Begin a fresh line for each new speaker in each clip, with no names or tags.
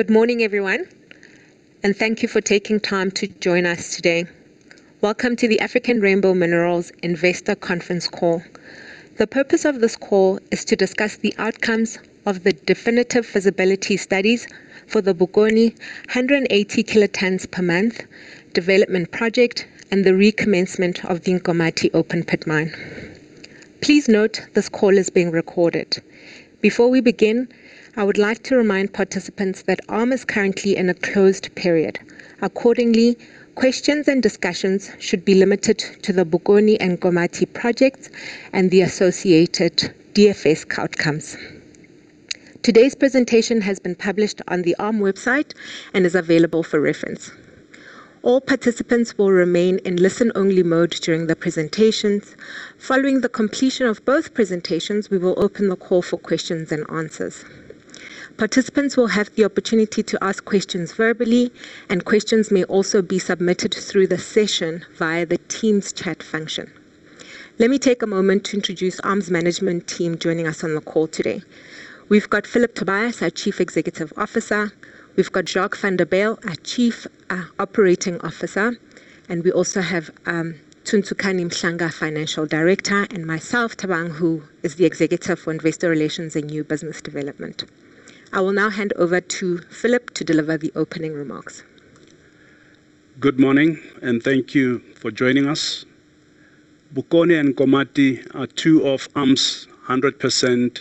Good morning everyone. Thank you for taking time to join us today. Welcome to the African Rainbow Minerals Investor Conference Call. The purpose of this call is to discuss the outcomes of the definitive feasibility studies for the Bokoni 180 kilotonnes per month development project and the recommencement of the Nkomati open-pit mine. Please note this call is being recorded. Before we begin, I would like to remind participants that ARM is currently in a closed period. Accordingly, questions and discussions should be limited to the Bokoni and Nkomati projects and the associated DFS outcomes. Today's presentation has been published on the ARM website and is available for reference. All participants will remain in listen-only mode during the presentations. Following the completion of both presentations, we will open the call for questions and answers. Participants will have the opportunity to ask questions verbally. Questions may also be submitted through the session via the Teams chat function. Let me take a moment to introduce ARM's management team joining us on the call today. We've got Phillip Tobias, our Chief Executive Officer. We've got Jacques van der Bijl, our Chief Operating Officer, and we also have Tsundzukani Mhlanga, Financial Director, and myself, Thabang, who is the Executive for Investor Relations and New Business Development. I will now hand over to Phillip to deliver the opening remarks.
Good morning. Thank you for joining us. Bokoni and Nkomati are two of ARM's 100%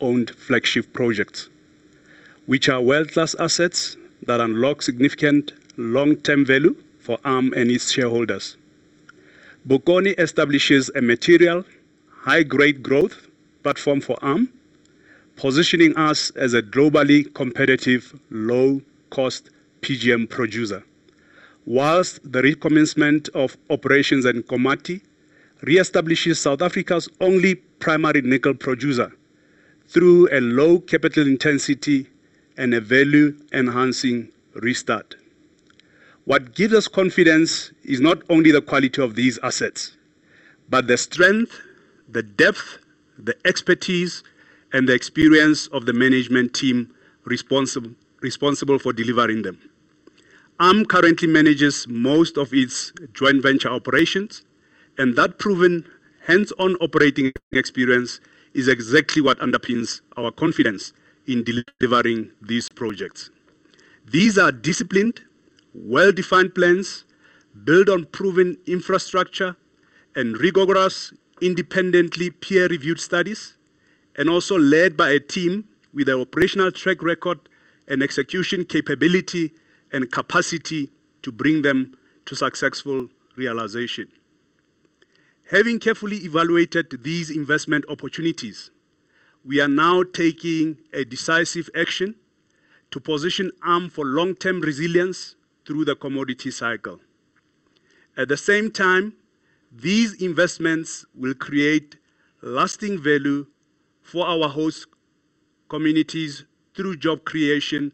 owned flagship projects, which are world-class assets that unlock significant long-term value for ARM and its shareholders. Bokoni establishes a material, high-grade growth platform for ARM, positioning us as a globally competitive, low-cost PGM producer, whilst the recommencement of operations in Nkomati reestablishes South Africa's only primary nickel producer through a low capital intensity and a value-enhancing restart. What gives us confidence is not only the quality of these assets, but the strength, the depth, the expertise, and the experience of the management team responsible for delivering them. ARM currently manages most of its joint venture operations. That proven hands-on operating experience is exactly what underpins our confidence in delivering these projects. These are disciplined, well-defined plans built on proven infrastructure and rigorous, independently peer-reviewed studies. Also led by a team with an operational track record and execution capability and capacity to bring them to successful realization. Having carefully evaluated these investment opportunities, we are now taking a decisive action to position ARM for long-term resilience through the commodity cycle. At the same time, these investments will create lasting value for our host communities through job creation,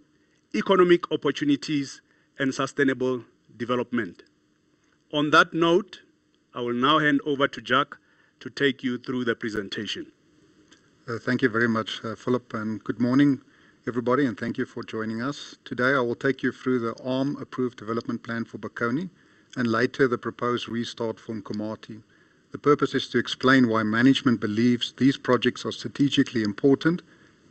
economic opportunities, and sustainable development. On that note, I will now hand over to Jacques to take you through the presentation.
Thank you very much, Phillip, and good morning, everybody, and thank you for joining us. Today, I will take you through the ARM approved development plan for Bokoni, and later the proposed restart for Nkomati. The purpose is to explain why management believes these projects are strategically important,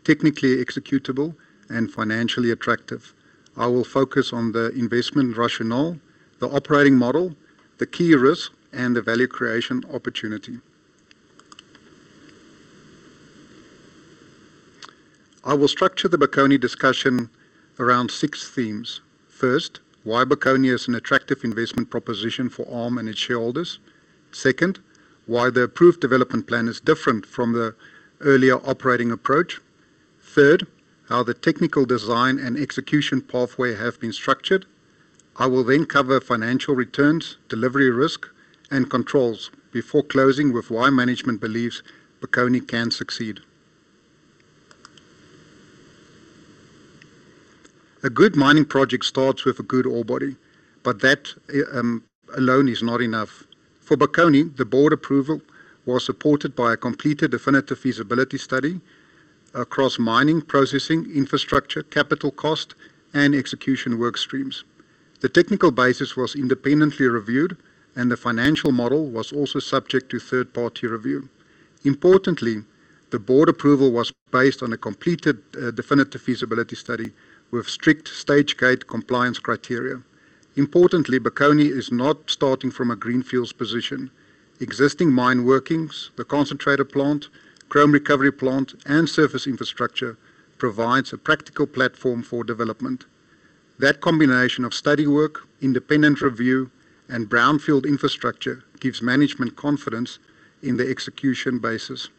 technically executable, and financially attractive. I will focus on the investment rationale, the operating model, the key risks, and the value creation opportunity. I will structure the Bokoni discussion around six themes. First, why Bokoni is an attractive investment proposition for ARM and its shareholders. Second, why the approved development plan is different from the earlier operating approach. Third, how the technical design and execution pathway have been structured. I will then cover financial returns, delivery risk, and controls before closing with why management believes Bokoni can succeed. A good mining project starts with a good ore body, but that alone is not enough. For Bokoni, the board approval was supported by a completed definitive feasibility study across mining, processing, infrastructure, capital cost, and execution work streams. The technical basis was independently reviewed, and the financial model was also subject to third-party review. Importantly, the board approval was based on a completed definitive feasibility study with strict stage gate compliance criteria. Importantly, Bokoni is not starting from a greenfields position. Existing mine workings, the concentrator plant, chrome recovery plant, and surface infrastructure provides a practical platform for development. That combination of study work, independent review, and brownfield infrastructure gives management confidence in the execution basis.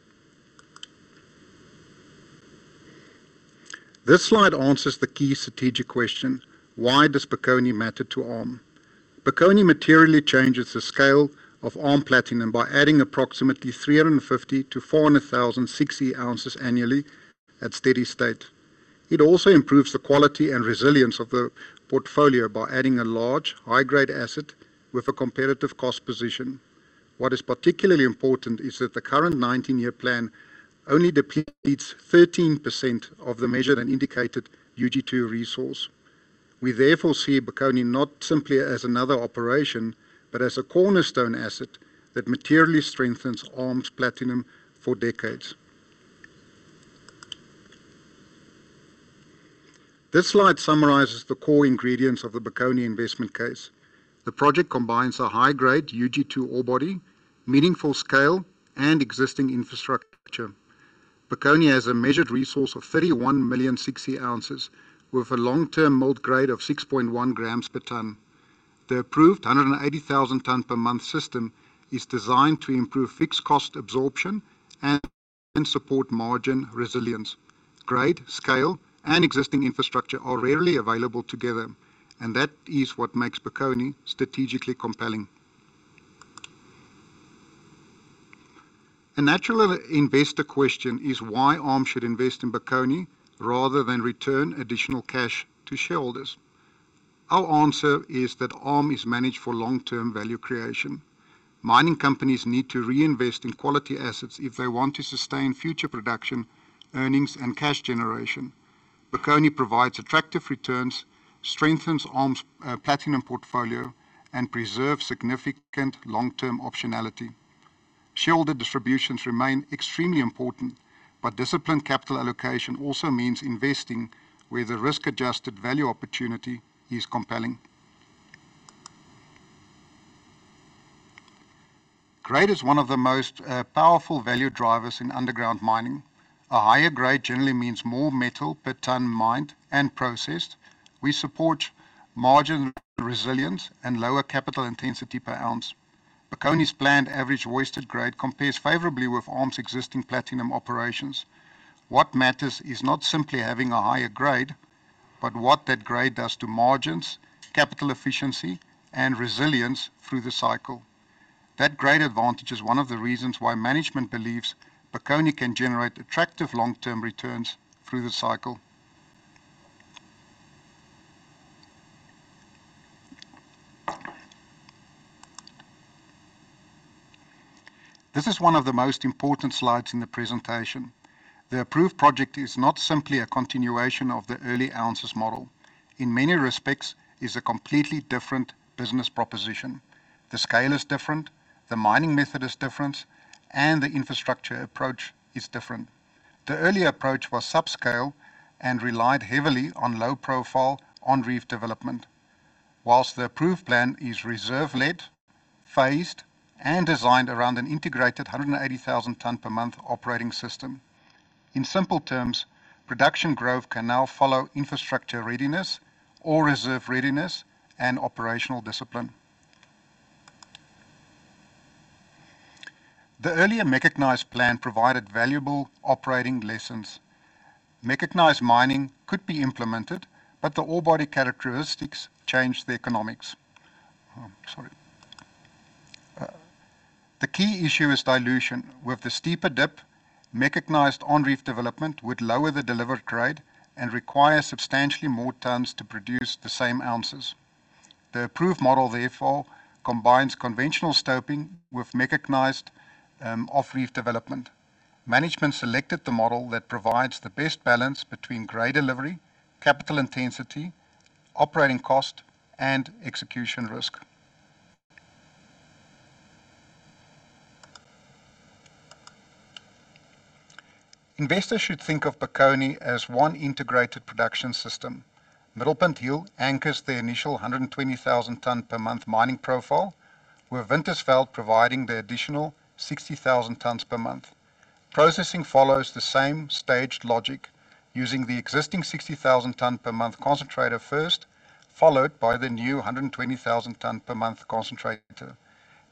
This slide answers the key strategic question: why does Bokoni matter to ARM? Bokoni materially changes the scale of ARM Platinum by adding approximately 350,000 ounces to 400,000 ounces annually at steady state. It also improves the quality and resilience of the portfolio by adding a large, high-grade asset with a competitive cost position. What is particularly important is that the current 19-year plan only depletes 13% of the measured and indicated UG2 resource. We therefore see Bokoni not simply as another operation, but as a cornerstone asset that materially strengthens ARM's platinum for decades. This slide summarizes the core ingredients of the Bokoni investment case. The project combines a high-grade UG2 ore body, meaningful scale, and existing infrastructure. Bokoni has a measured resource of 31 million 6E ounces, with a long-term melt grade of 6.1 grams per ton. The approved 180,000 tonnes per month system is designed to improve fixed cost absorption and support margin resilience. Grade, scale, and existing infrastructure are rarely available together, and that is what makes Bokoni strategically compelling. A natural investor question is why ARM should invest in Bokoni rather than return additional cash to shareholders. Our answer is that ARM is managed for long-term value creation. Mining companies need to reinvest in quality assets if they want to sustain future production, earnings, and cash generation. Bokoni provides attractive returns, strengthens ARM's platinum portfolio, and preserves significant long-term optionality. Shareholder distributions remain extremely important, but disciplined capital allocation also means investing where the risk-adjusted value opportunity is compelling. Grade is one of the most powerful value drivers in underground mining. A higher grade generally means more metal per tonne mined and processed. We support margin resilience and lower capital intensity per ounce. Bokoni's planned average weighted grade compares favorably with ARM's existing platinum operations. What matters is not simply having a higher grade, but what that grade does to margins, capital efficiency, and resilience through the cycle. That grade advantage is one of the reasons why management believes Bokoni can generate attractive long-term returns through the cycle. This is one of the most important slides in the presentation. The approved project is not simply a continuation of the early ounces model. In many respects, it's a completely different business proposition. The scale is different, the mining method is different, and the infrastructure approach is different. The earlier approach was subscale and relied heavily on low-profile on-reef development. Whilst the approved plan is reserve-led, phased, and designed around an integrated 180,000 tonne per month operating system. In simple terms, production growth can now follow infrastructure readiness or reserve readiness and operational discipline. The earlier mechanized plan provided valuable operating lessons. Mechanized mining could be implemented, but the ore body characteristics changed the economics. Sorry. The key issue is dilution. With the steeper dip, mechanized on-reef development would lower the delivered grade and require substantially more tonnes to produce the same ounces. The approved model therefore combines conventional stoping with mechanized off-reef development. Management selected the model that provides the best balance between grade delivery, capital intensity, operating cost, and execution risk. Investors should think of Bokoni as one integrated production system. Middelpunt Hill anchors the initial 120,000 tonne per month mining profile, with Winterveld providing the additional 60,000 tonnes per month. Processing follows the same staged logic using the existing 60,000 tonne per month concentrator first, followed by the new 120,000 tonne per month concentrator.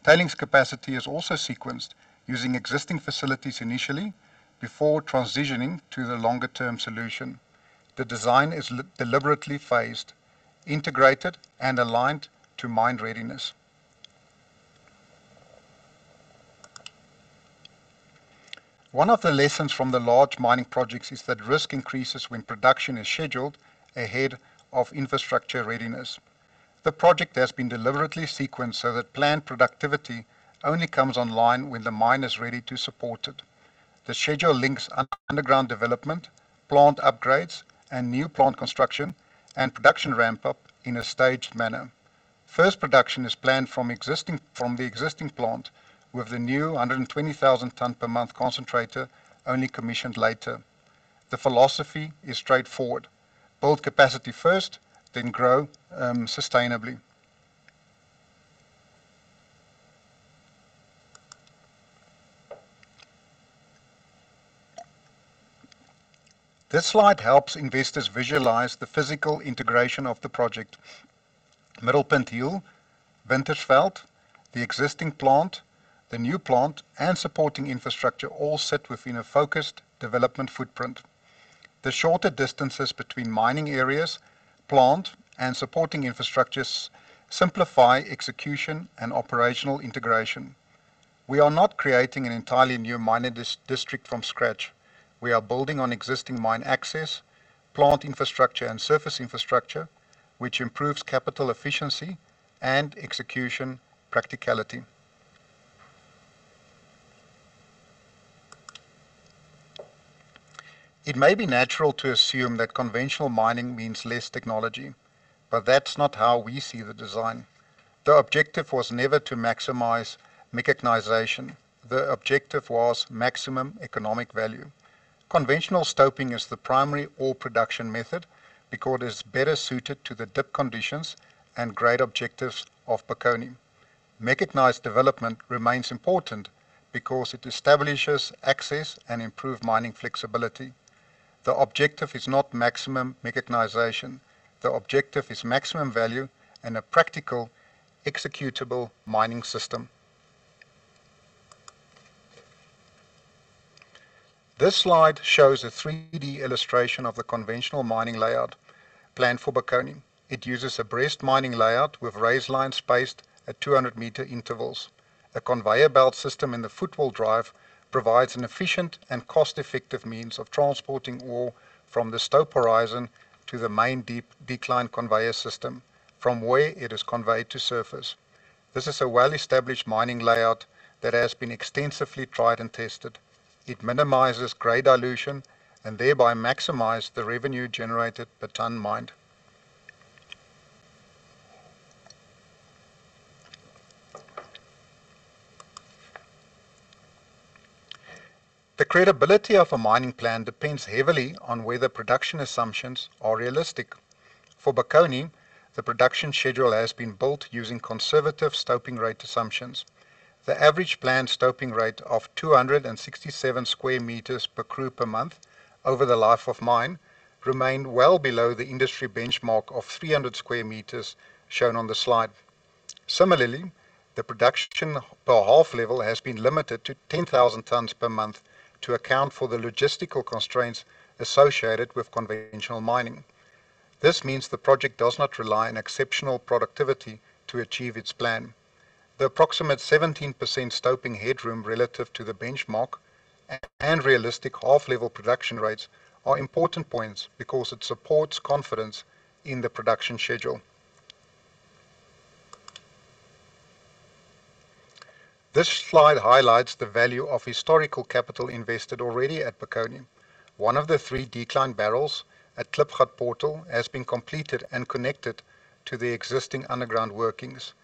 Tailings capacity is also sequenced using existing facilities initially before transitioning to the longer-term solution. The design is deliberately phased, integrated, and aligned to mine readiness. One of the lessons from the large mining projects is that risk increases when production is scheduled ahead of infrastructure readiness. The project has been deliberately sequenced so that plant productivity only comes online when the mine is ready to support it. The schedule links underground development, plant upgrades, and new plant construction and production ramp-up in a staged manner. First production is planned from the existing plant, with the new 120,000 tonne per month concentrator only commissioned later. The philosophy is straightforward. Build capacity first, then grow sustainably. This slide helps investors visualize the physical integration of the project. Middelpunt Hill, Winterveld, the existing plant, the new plant, and supporting infrastructure all sit within a focused development footprint. The shorter distances between mining areas, plant, and supporting infrastructures simplify execution and operational integration. We are not creating an entirely new mining district from scratch. We are building on existing mine access, plant infrastructure, and surface infrastructure which improves capital efficiency and execution practicality. It may be natural to assume that conventional mining means less technology, but that's not how we see the design. The objective was never to maximize mechanization. The objective was maximum economic value. Conventional stoping is the primary ore production method because it is better suited to the dip conditions and grade objectives of Bokoni. Mechanized development remains important because it establishes access and improved mining flexibility. The objective is not maximum mechanization. The objective is maximum value and a practical executable mining system. This slide shows a 3D illustration of the conventional mining layout planned for Bokoni. It uses a breast mining layout with raise lines spaced at 200-meter intervals. A conveyor belt system in the footwall drive provides an efficient and cost-effective means of transporting ore from the stope horizon to the main decline conveyor system, from where it is conveyed to surface. This is a well-established mining layout that has been extensively tried and tested. It minimizes grade dilution and thereby maximize the revenue generated per tonne mined. The credibility of a mining plan depends heavily on whether production assumptions are realistic. For Bokoni, the production schedule has been built using conservative stoping rate assumptions. The average planned stoping rate of 267 square meters per crew per month over the life of mine remained well below the industry benchmark of 300 square meters shown on the slide. Similarly, the production per half level has been limited to 10,000 tonnes per month to account for the logistical constraints associated with conventional mining. This means the project does not rely on exceptional productivity to achieve its plan. The approximate 17% stoping headroom relative to the benchmark and realistic half level production rates are important points because it supports confidence in the production schedule. This slide highlights the value of historical capital invested already at Bokoni. One of the three decline barrels at Klipgat portal has been completed and connected to the existing underground workings.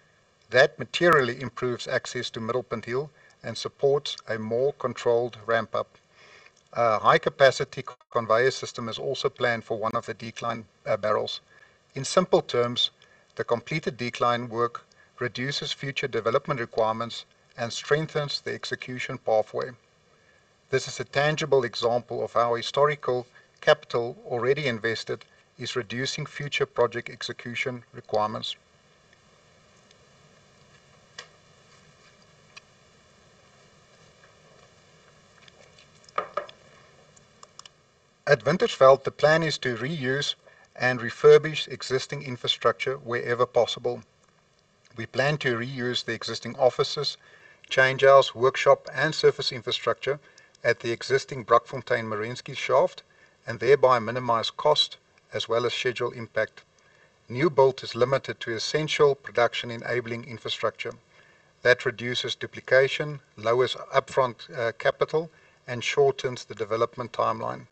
That materially improves access to Middelpunt Hill and supports a more controlled ramp-up. A high capacity conveyor system is also planned for one of the decline barrels. In simple terms, the completed decline work reduces future development requirements and strengthens the execution pathway. This is a tangible example of how historical capital already invested is reducing future project execution requirements. At Winterveld, the plan is to reuse and refurbish existing infrastructure wherever possible. We plan to reuse the existing offices, change house, workshop, and surface infrastructure at the existing Brakfontein Merensky shaft and thereby minimize cost as well as schedule impact. New build is limited to essential production-enabling infrastructure. That reduces duplication, lowers upfront capital, and shortens the development timeline.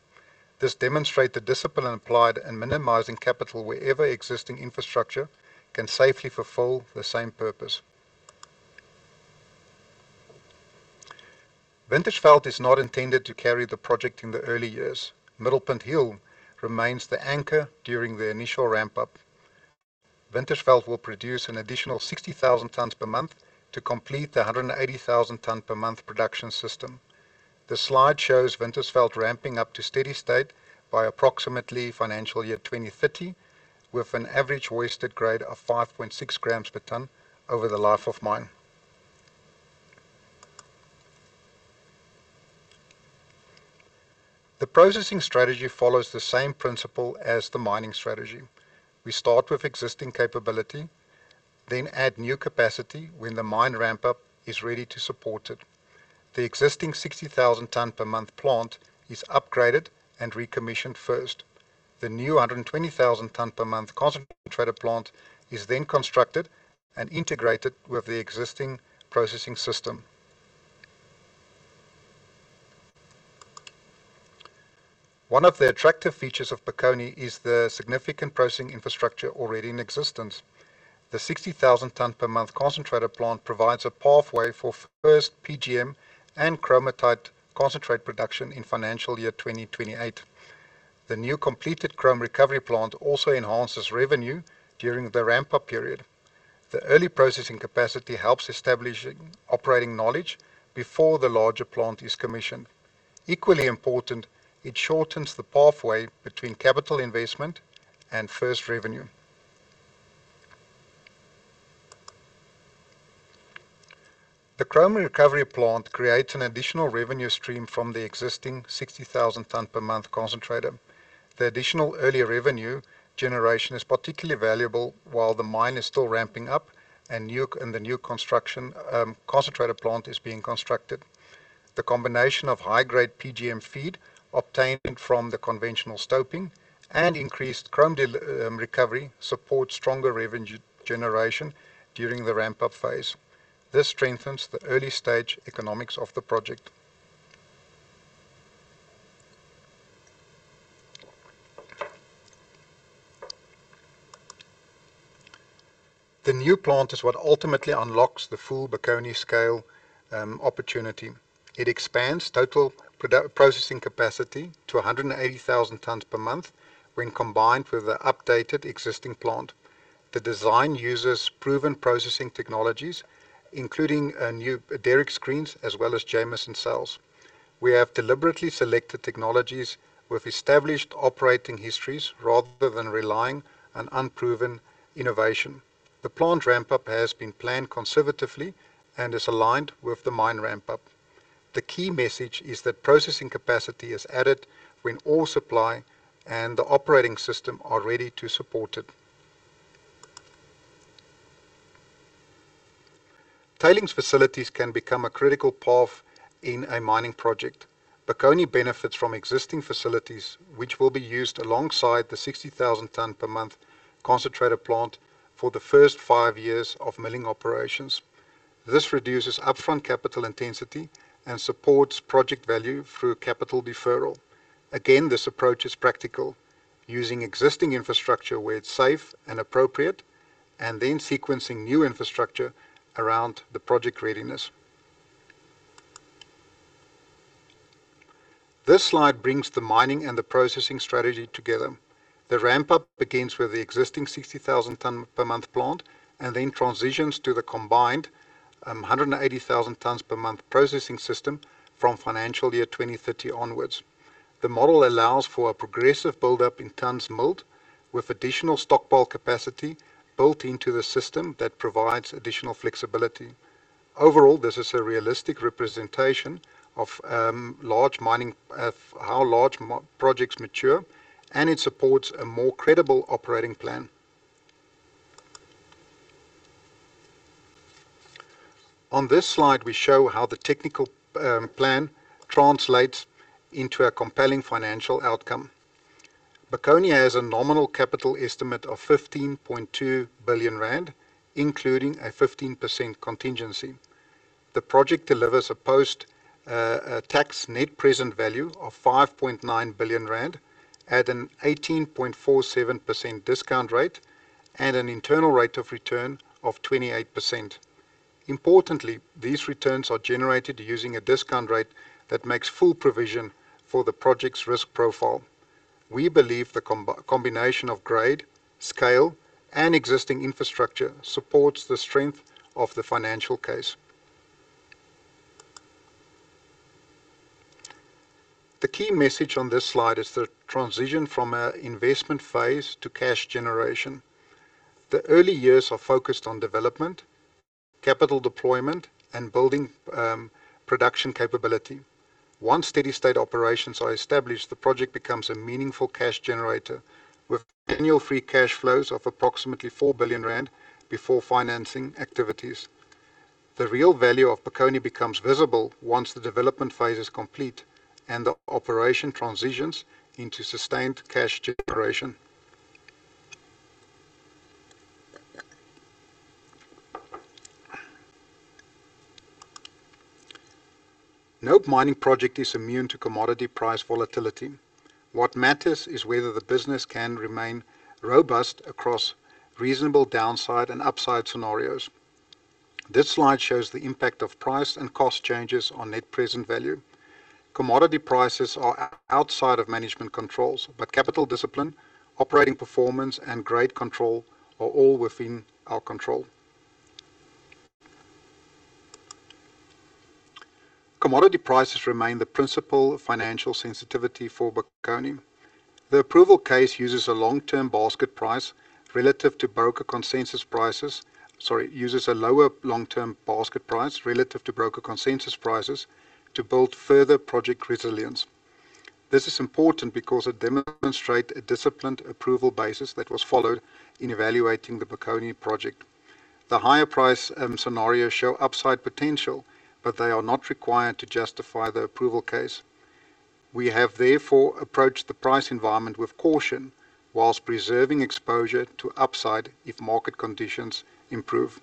This demonstrate the discipline applied in minimizing capital wherever existing infrastructure can safely fulfill the same purpose. Winterveld is not intended to carry the project in the early years. Middelpunt Hill remains the anchor during the initial ramp-up. Winterveld will produce an additional 60,000 tonnes per month to complete the 180,000 tonne per month production system. The slide shows Winterveld ramping up to steady state by approximately financial year 2030 with an average wasted grade of 5.6 grams per tonne over the life of mine. The processing strategy follows the same principle as the mining strategy. We start with existing capability, then add new capacity when the mine ramp-up is ready to support it. The existing 60,000 tonne per month plant is upgraded and recommissioned first. The new 120,000 tonne per month concentrator plant is then constructed and integrated with the existing processing system. One of the attractive features of Bokoni is the significant processing infrastructure already in existence. The 60,000 tonne per month concentrator plant provides a pathway for first PGM and chromite concentrate production in financial year 2028. The new completed chrome recovery plant also enhances revenue during the ramp-up period. The early processing capacity helps establish operating knowledge before the larger plant is commissioned. Equally important, it shortens the pathway between capital investment and first revenue. The chrome recovery plant creates an additional revenue stream from the existing 60,000 tonne per month concentrator. The additional earlier revenue generation is particularly valuable while the mine is still ramping up and the new concentrator plant is being constructed. The combination of high-grade PGM feed obtained from the conventional stoping and increased chromite recovery supports stronger revenue generation during the ramp-up phase. This strengthens the early-stage economics of the project. The new plant is what ultimately unlocks the full Bokoni scale opportunity. It expands total processing capacity to 180,000 tonnes per month when combined with the updated existing plant. The design uses proven processing technologies, including new Derrick screens, as well as Jameson Cell. We have deliberately selected technologies with established operating histories rather than relying on unproven innovation. The plant ramp-up has been planned conservatively and is aligned with the mine ramp-up. The key message is that processing capacity is added when ore supply and the operating system are ready to support it. Tailings facilities can become a critical path in a mining project. Bokoni benefits from existing facilities, which will be used alongside the 60,000 tonne per month concentrator plant for the first five years of milling operations. This reduces upfront capital intensity and supports project value through capital deferral. This approach is practical, using existing infrastructure where it's safe and appropriate, and then sequencing new infrastructure around the project readiness. This slide brings the mining and the processing strategy together. The ramp-up begins with the existing 60,000 tonne per month plant and then transitions to the combined 180,000 tonnes per month processing system from financial year 2030 onwards. The model allows for a progressive build-up in tonnes milled, with additional stockpile capacity built into the system that provides additional flexibility. Overall, this is a realistic representation of how large projects mature, and it supports a more credible operating plan. On this slide, we show how the technical plan translates into a compelling financial outcome. Bokoni has a nominal capital estimate of 15.2 billion rand, including a 15% contingency. The project delivers a post-tax net present value of 5.9 billion rand at an 18.47% discount rate and an internal rate of return of 28%. These returns are generated using a discount rate that makes full provision for the project's risk profile. We believe the combination of grade, scale, and existing infrastructure supports the strength of the financial case. The key message on this slide is the transition from an investment phase to cash generation. The early years are focused on development, capital deployment, and building production capability. Once steady-state operations are established, the project becomes a meaningful cash generator, with annual free cash flows of approximately 4 billion rand before financing activities. The real value of Bokoni becomes visible once the development phase is complete and the operation transitions into sustained cash generation. No mining project is immune to commodity price volatility. What matters is whether the business can remain robust across reasonable downside and upside scenarios. This slide shows the impact of price and cost changes on net present value. Commodity prices are outside of management controls, but capital discipline, operating performance, and grade control are all within our control. Commodity prices remain the principal financial sensitivity for Bokoni. The approval case uses a lower long-term basket price relative to broker consensus prices to build further project resilience. This is important because it demonstrates a disciplined approval basis that was followed in evaluating the Bokoni project. The higher price scenarios show upside potential. They are not required to justify the approval case. We have, therefore, approached the price environment with caution while preserving exposure to upside if market conditions improve.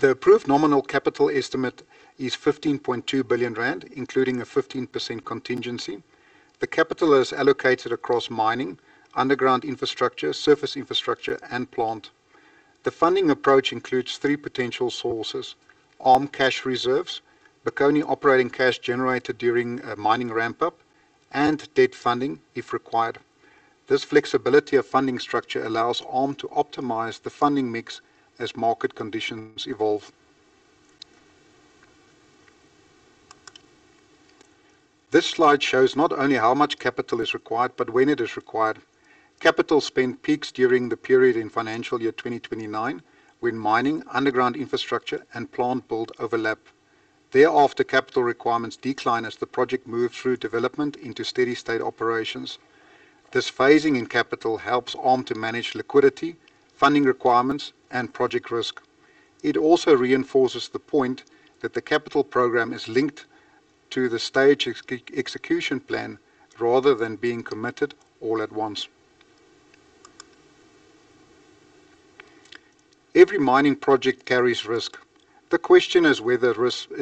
The approved nominal capital estimate is 15.2 billion rand, including a 15% contingency. The capital is allocated across mining, underground infrastructure, surface infrastructure, and plant. The funding approach includes three potential sources: ARM cash reserves, Bokoni operating cash generated during mining ramp-up, and debt funding if required. This flexibility of funding structure allows ARM to optimize the funding mix as market conditions evolve. This slide shows not only how much capital is required but when it is required. Capital spend peaks during the period in financial year 2029, when mining, underground infrastructure, and plant build overlap. Thereafter, capital requirements decline as the project moves through development into steady-state operations. This phasing in capital helps ARM to manage liquidity, funding requirements, and project risk. It also reinforces the point that the capital program is linked to the stage execution plan rather than being committed all at once. Every mining project carries risk. The question is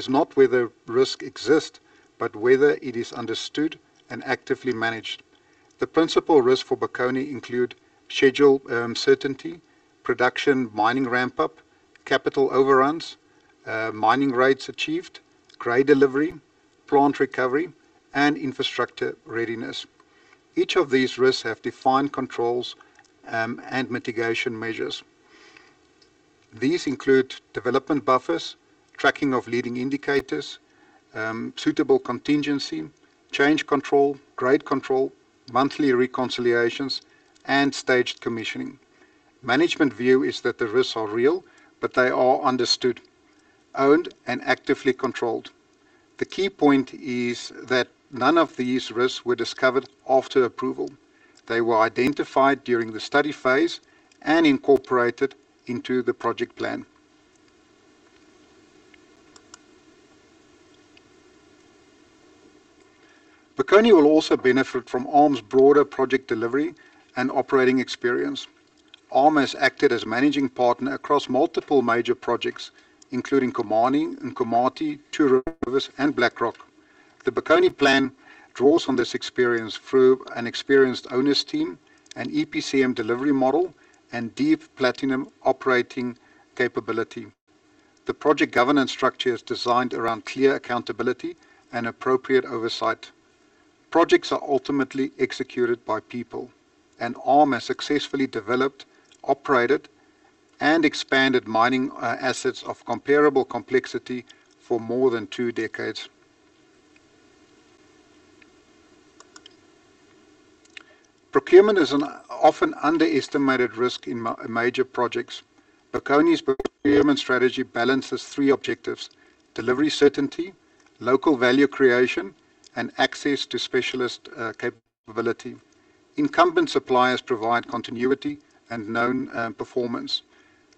not whether risk exists, but whether it is understood and actively managed. The principal risk for Bokoni include schedule uncertainty, production mining ramp-up, capital overruns, mining rates achieved, grade delivery, plant recovery, and infrastructure readiness. Each of these risks have defined controls and mitigation measures. These include development buffers, tracking of leading indicators, suitable contingency, change control, grade control, monthly reconciliations, and staged commissioning. Management view is that the risks are real. They are understood, owned, and actively controlled. The key point is that none of these risks were discovered after approval. They were identified during the study phase and incorporated into the project plan. Bokoni will also benefit from ARM's broader project delivery and operating experience. ARM has acted as managing partner across multiple major projects, including Modikwa, Nkomati, Two Rivers, and Black Rock. The Bokoni plan draws on this experience through an experienced owner's team, an EPCM delivery model, and deep platinum operating capability. The project governance structure is designed around clear accountability and appropriate oversight. Projects are ultimately executed by people. ARM has successfully developed, operated, and expanded mining assets of comparable complexity for more than two decades. Procurement is an often underestimated risk in major projects. Bokoni's procurement strategy balances three objectives: delivery certainty, local value creation, and access to specialist capability. Incumbent suppliers provide continuity and known performance.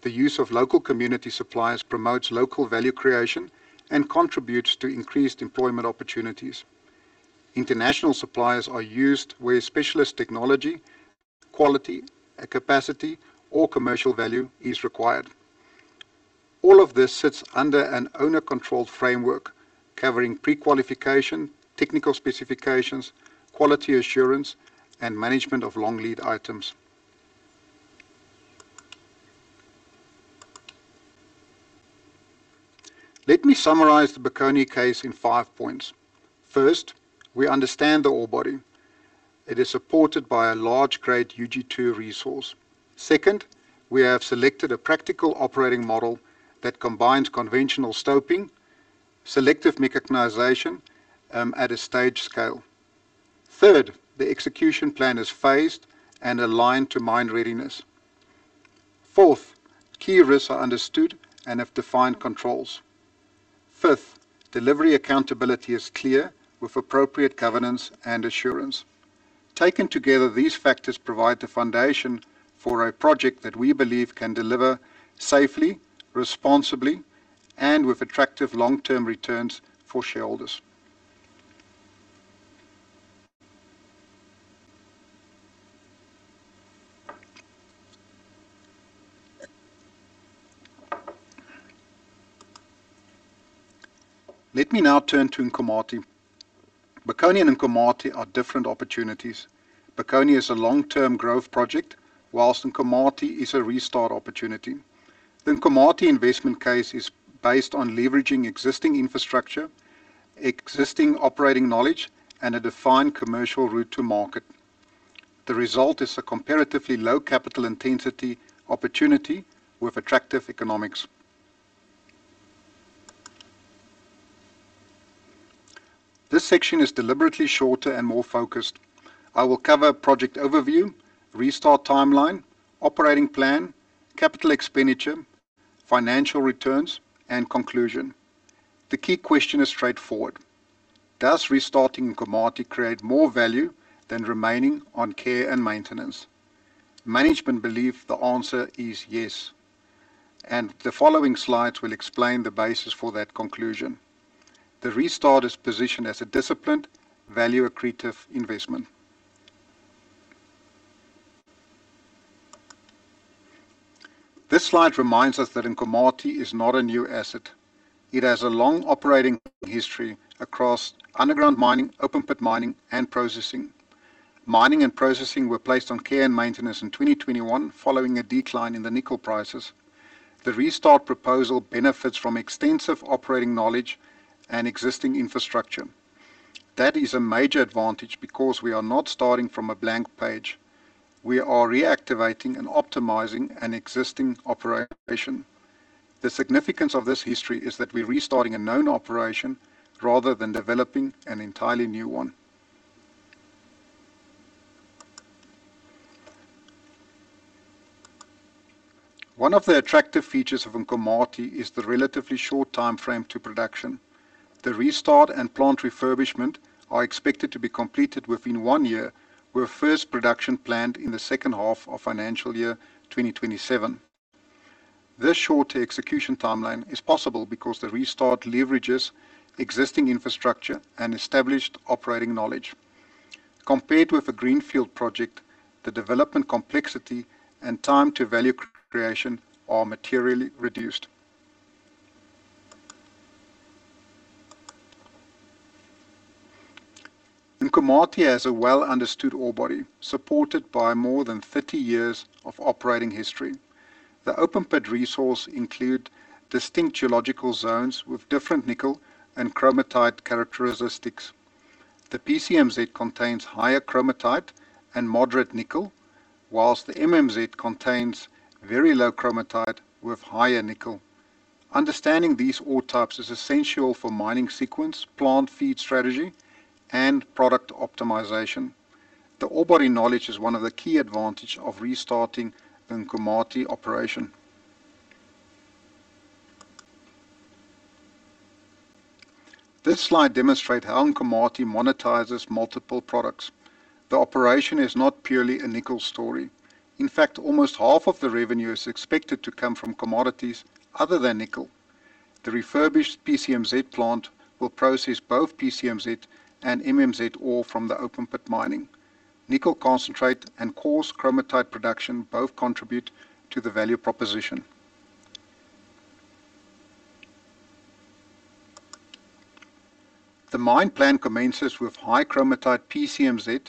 The use of local community suppliers promotes local value creation and contributes to increased employment opportunities. International suppliers are used where specialist technology, quality, capacity, or commercial value is required. All of this sits under an owner-controlled framework covering pre-qualification, technical specifications, quality assurance, and management of long lead items. Let me summarize the Bokoni case in five points. First, we understand the ore body. It is supported by a large grade UG2 resource. Second, we have selected a practical operating model that combines conventional stoping, selective mechanization at a stage scale. Third, the execution plan is phased and aligned to mine readiness. Fourth, key risks are understood and have defined controls. Fifth, delivery accountability is clear, with appropriate governance and assurance. Taken together, these factors provide the foundation for a project that we believe can deliver safely, responsibly, and with attractive long-term returns for shareholders. Let me now turn to Nkomati. Bokoni and Nkomati are different opportunities. Bokoni is a long-term growth project, whilst Nkomati is a restart opportunity. The Nkomati investment case is based on leveraging existing infrastructure, existing operating knowledge, and a defined commercial route to market. The result is a comparatively low capital intensity opportunity with attractive economics. This section is deliberately shorter and more focused. I will cover project overview, restart timeline, operating plan, capital expenditure, financial returns, and conclusion. The key question is straightforward: does restarting Nkomati create more value than remaining on care and maintenance? Management believe the answer is yes, and the following slides will explain the basis for that conclusion. The restart is positioned as a disciplined value-accretive investment. This slide reminds us that Nkomati is not a new asset. It has a long operating history across underground mining, open pit mining, and processing. Mining and processing were placed on care and maintenance in 2021 following a decline in the nickel prices. The restart proposal benefits from extensive operating knowledge and existing infrastructure. That is a major advantage because we are not starting from a blank page. We are reactivating and optimizing an existing operation. The significance of this history is that we're restarting a known operation rather than developing an entirely new one. One of the attractive features of Nkomati is the relatively short timeframe to production. The restart and plant refurbishment are expected to be completed within one year, with first production planned in the second half of FY 2027. This shorter execution timeline is possible because the restart leverages existing infrastructure and established operating knowledge. Compared with a greenfield project, the development complexity and time to value creation are materially reduced. Nkomati has a well-understood ore body supported by more than 30 years of operating history. The open pit resource include distinct geological zones with different nickel and chromite characteristics. The PCMZ contains higher chromite and moderate nickel, whilst the MMZ contains very low chromite with higher nickel. Understanding these ore types is essential for mining sequence, plant feed strategy, and product optimization. The ore body knowledge is one of the key advantage of restarting Nkomati operation. This slide demonstrate how Nkomati monetizes multiple products. The operation is not purely a nickel story. In fact, almost half of the revenue is expected to come from commodities other than nickel. The refurbished PCMZ plant will process both PCMZ and MMZ ore from the open pit mining. Nickel concentrate and coarse chromite production both contribute to the value proposition. The mine plan commences with high chromite PCMZ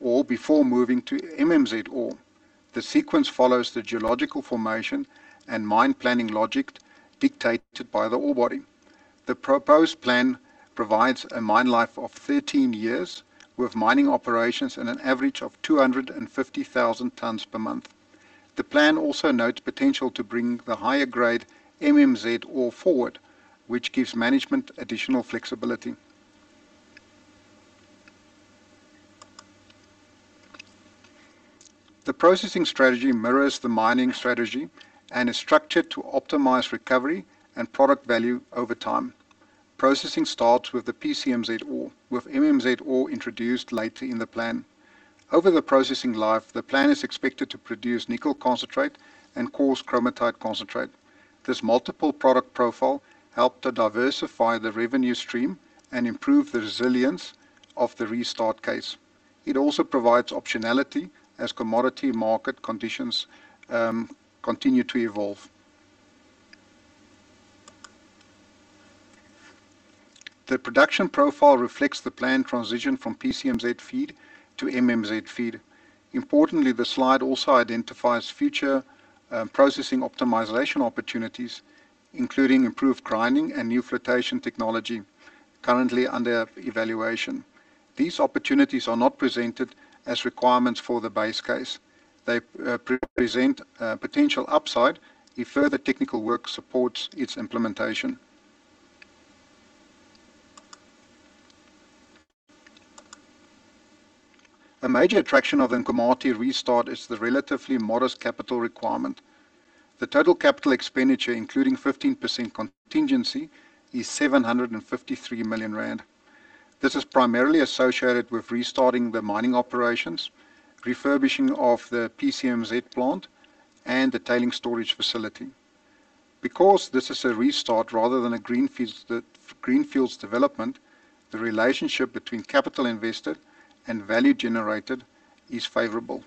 ore before moving to MMZ ore. The sequence follows the geological formation and mine planning logic dictated by the ore body. The proposed plan provides a mine life of 13 years with mining operations and an average of 250,000 tons per month. The plan also notes potential to bring the higher grade MMZ ore forward, which gives management additional flexibility. The processing strategy mirrors the mining strategy and is structured to optimize recovery and product value over time. Processing starts with the PCMZ ore, with MMZ ore introduced later in the plan. Over the processing life, the plan is expected to produce nickel concentrate and coarse chromite concentrate. This multiple product profile help to diversify the revenue stream and improve the resilience of the restart case. It also provides optionality as commodity market conditions continue to evolve. The production profile reflects the planned transition from PCMZ feed to MMZ feed. Importantly, the slide also identifies future processing optimization opportunities, including improved grinding and new flotation technology currently under evaluation. These opportunities are not presented as requirements for the base case. They present potential upside if further technical work supports its implementation. A major attraction of the Nkomati restart is the relatively modest capital requirement. The total capital expenditure, including 15% contingency, is 753 million rand. This is primarily associated with restarting the mining operations, refurbishing of the PCMZ plant, and the tailing storage facility. Because this is a restart rather than a greenfields development, the relationship between capital invested and value generated is favorable.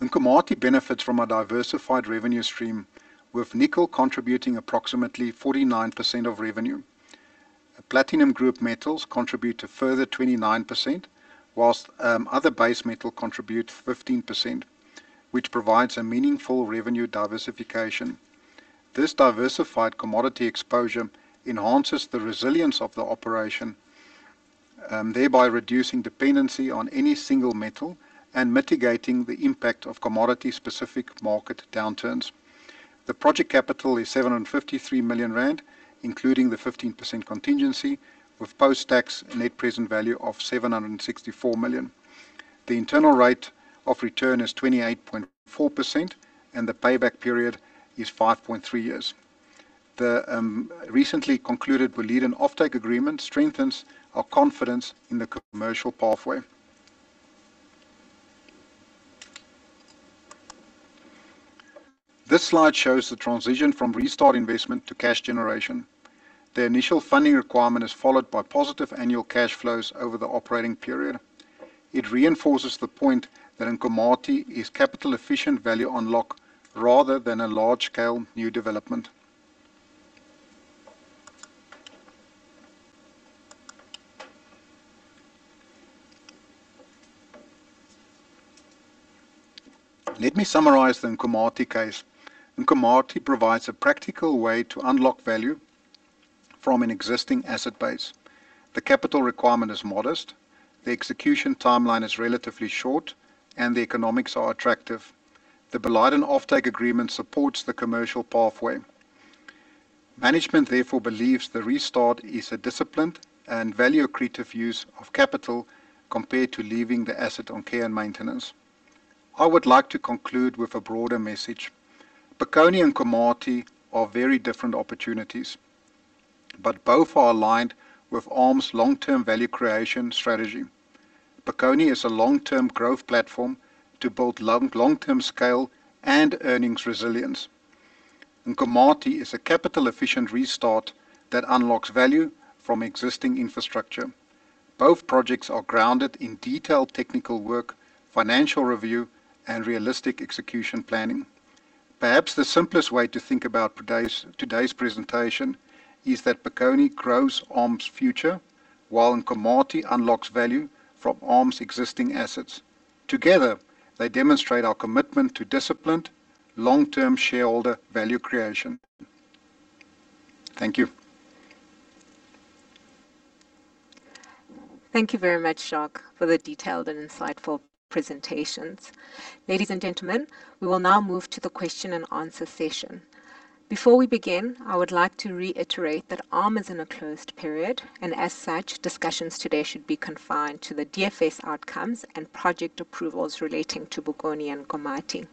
Nkomati benefits from a diversified revenue stream, with nickel contributing approximately 49% of revenue. platinum group metals contribute a further 29%, whilst other base metal contribute 15%, which provides a meaningful revenue diversification. This diversified commodity exposure enhances the resilience of the operation, thereby reducing dependency on any single metal and mitigating the impact of commodity-specific market downturns. The project capital is 753 million rand, including the 15% contingency, with post-tax net present value of 764 million. The internal rate of return is 28.4%, and the payback period is 5.3 years. The recently concluded Boliden offtake agreement strengthens our confidence in the commercial pathway. This slide shows the transition from restart investment to cash generation. The initial funding requirement is followed by positive annual cash flows over the operating period. It reinforces the point that Nkomati is capital efficient value unlock rather than a large-scale new development. Let me summarize the Nkomati case. Nkomati provides a practical way to unlock value from an existing asset base. The capital requirement is modest, the execution timeline is relatively short, and the economics are attractive. The Boliden offtake agreement supports the commercial pathway. Management therefore believes the restart is a disciplined and value accretive use of capital compared to leaving the asset on care and maintenance. I would like to conclude with a broader message. Bokoni and Nkomati are very different opportunities. Both are aligned with ARM's long-term value creation strategy. Bokoni is a long-term growth platform to build long-term scale and earnings resilience. Nkomati is a capital-efficient restart that unlocks value from existing infrastructure. Both projects are grounded in detailed technical work, financial review, and realistic execution planning. Perhaps the simplest way to think about today's presentation is that Bokoni grows ARM's future, while Nkomati unlocks value from ARM's existing assets. Together, they demonstrate our commitment to disciplined long-term shareholder value creation. Thank you.
Thank you very much, Jacques, for the detailed and insightful presentations. Ladies and gentlemen, we will now move to the question and answer session. Before we begin, I would like to reiterate that ARM is in a closed period, and as such, discussions today should be confined to the DFS outcomes and project approvals relating to Bokoni and Nkomati.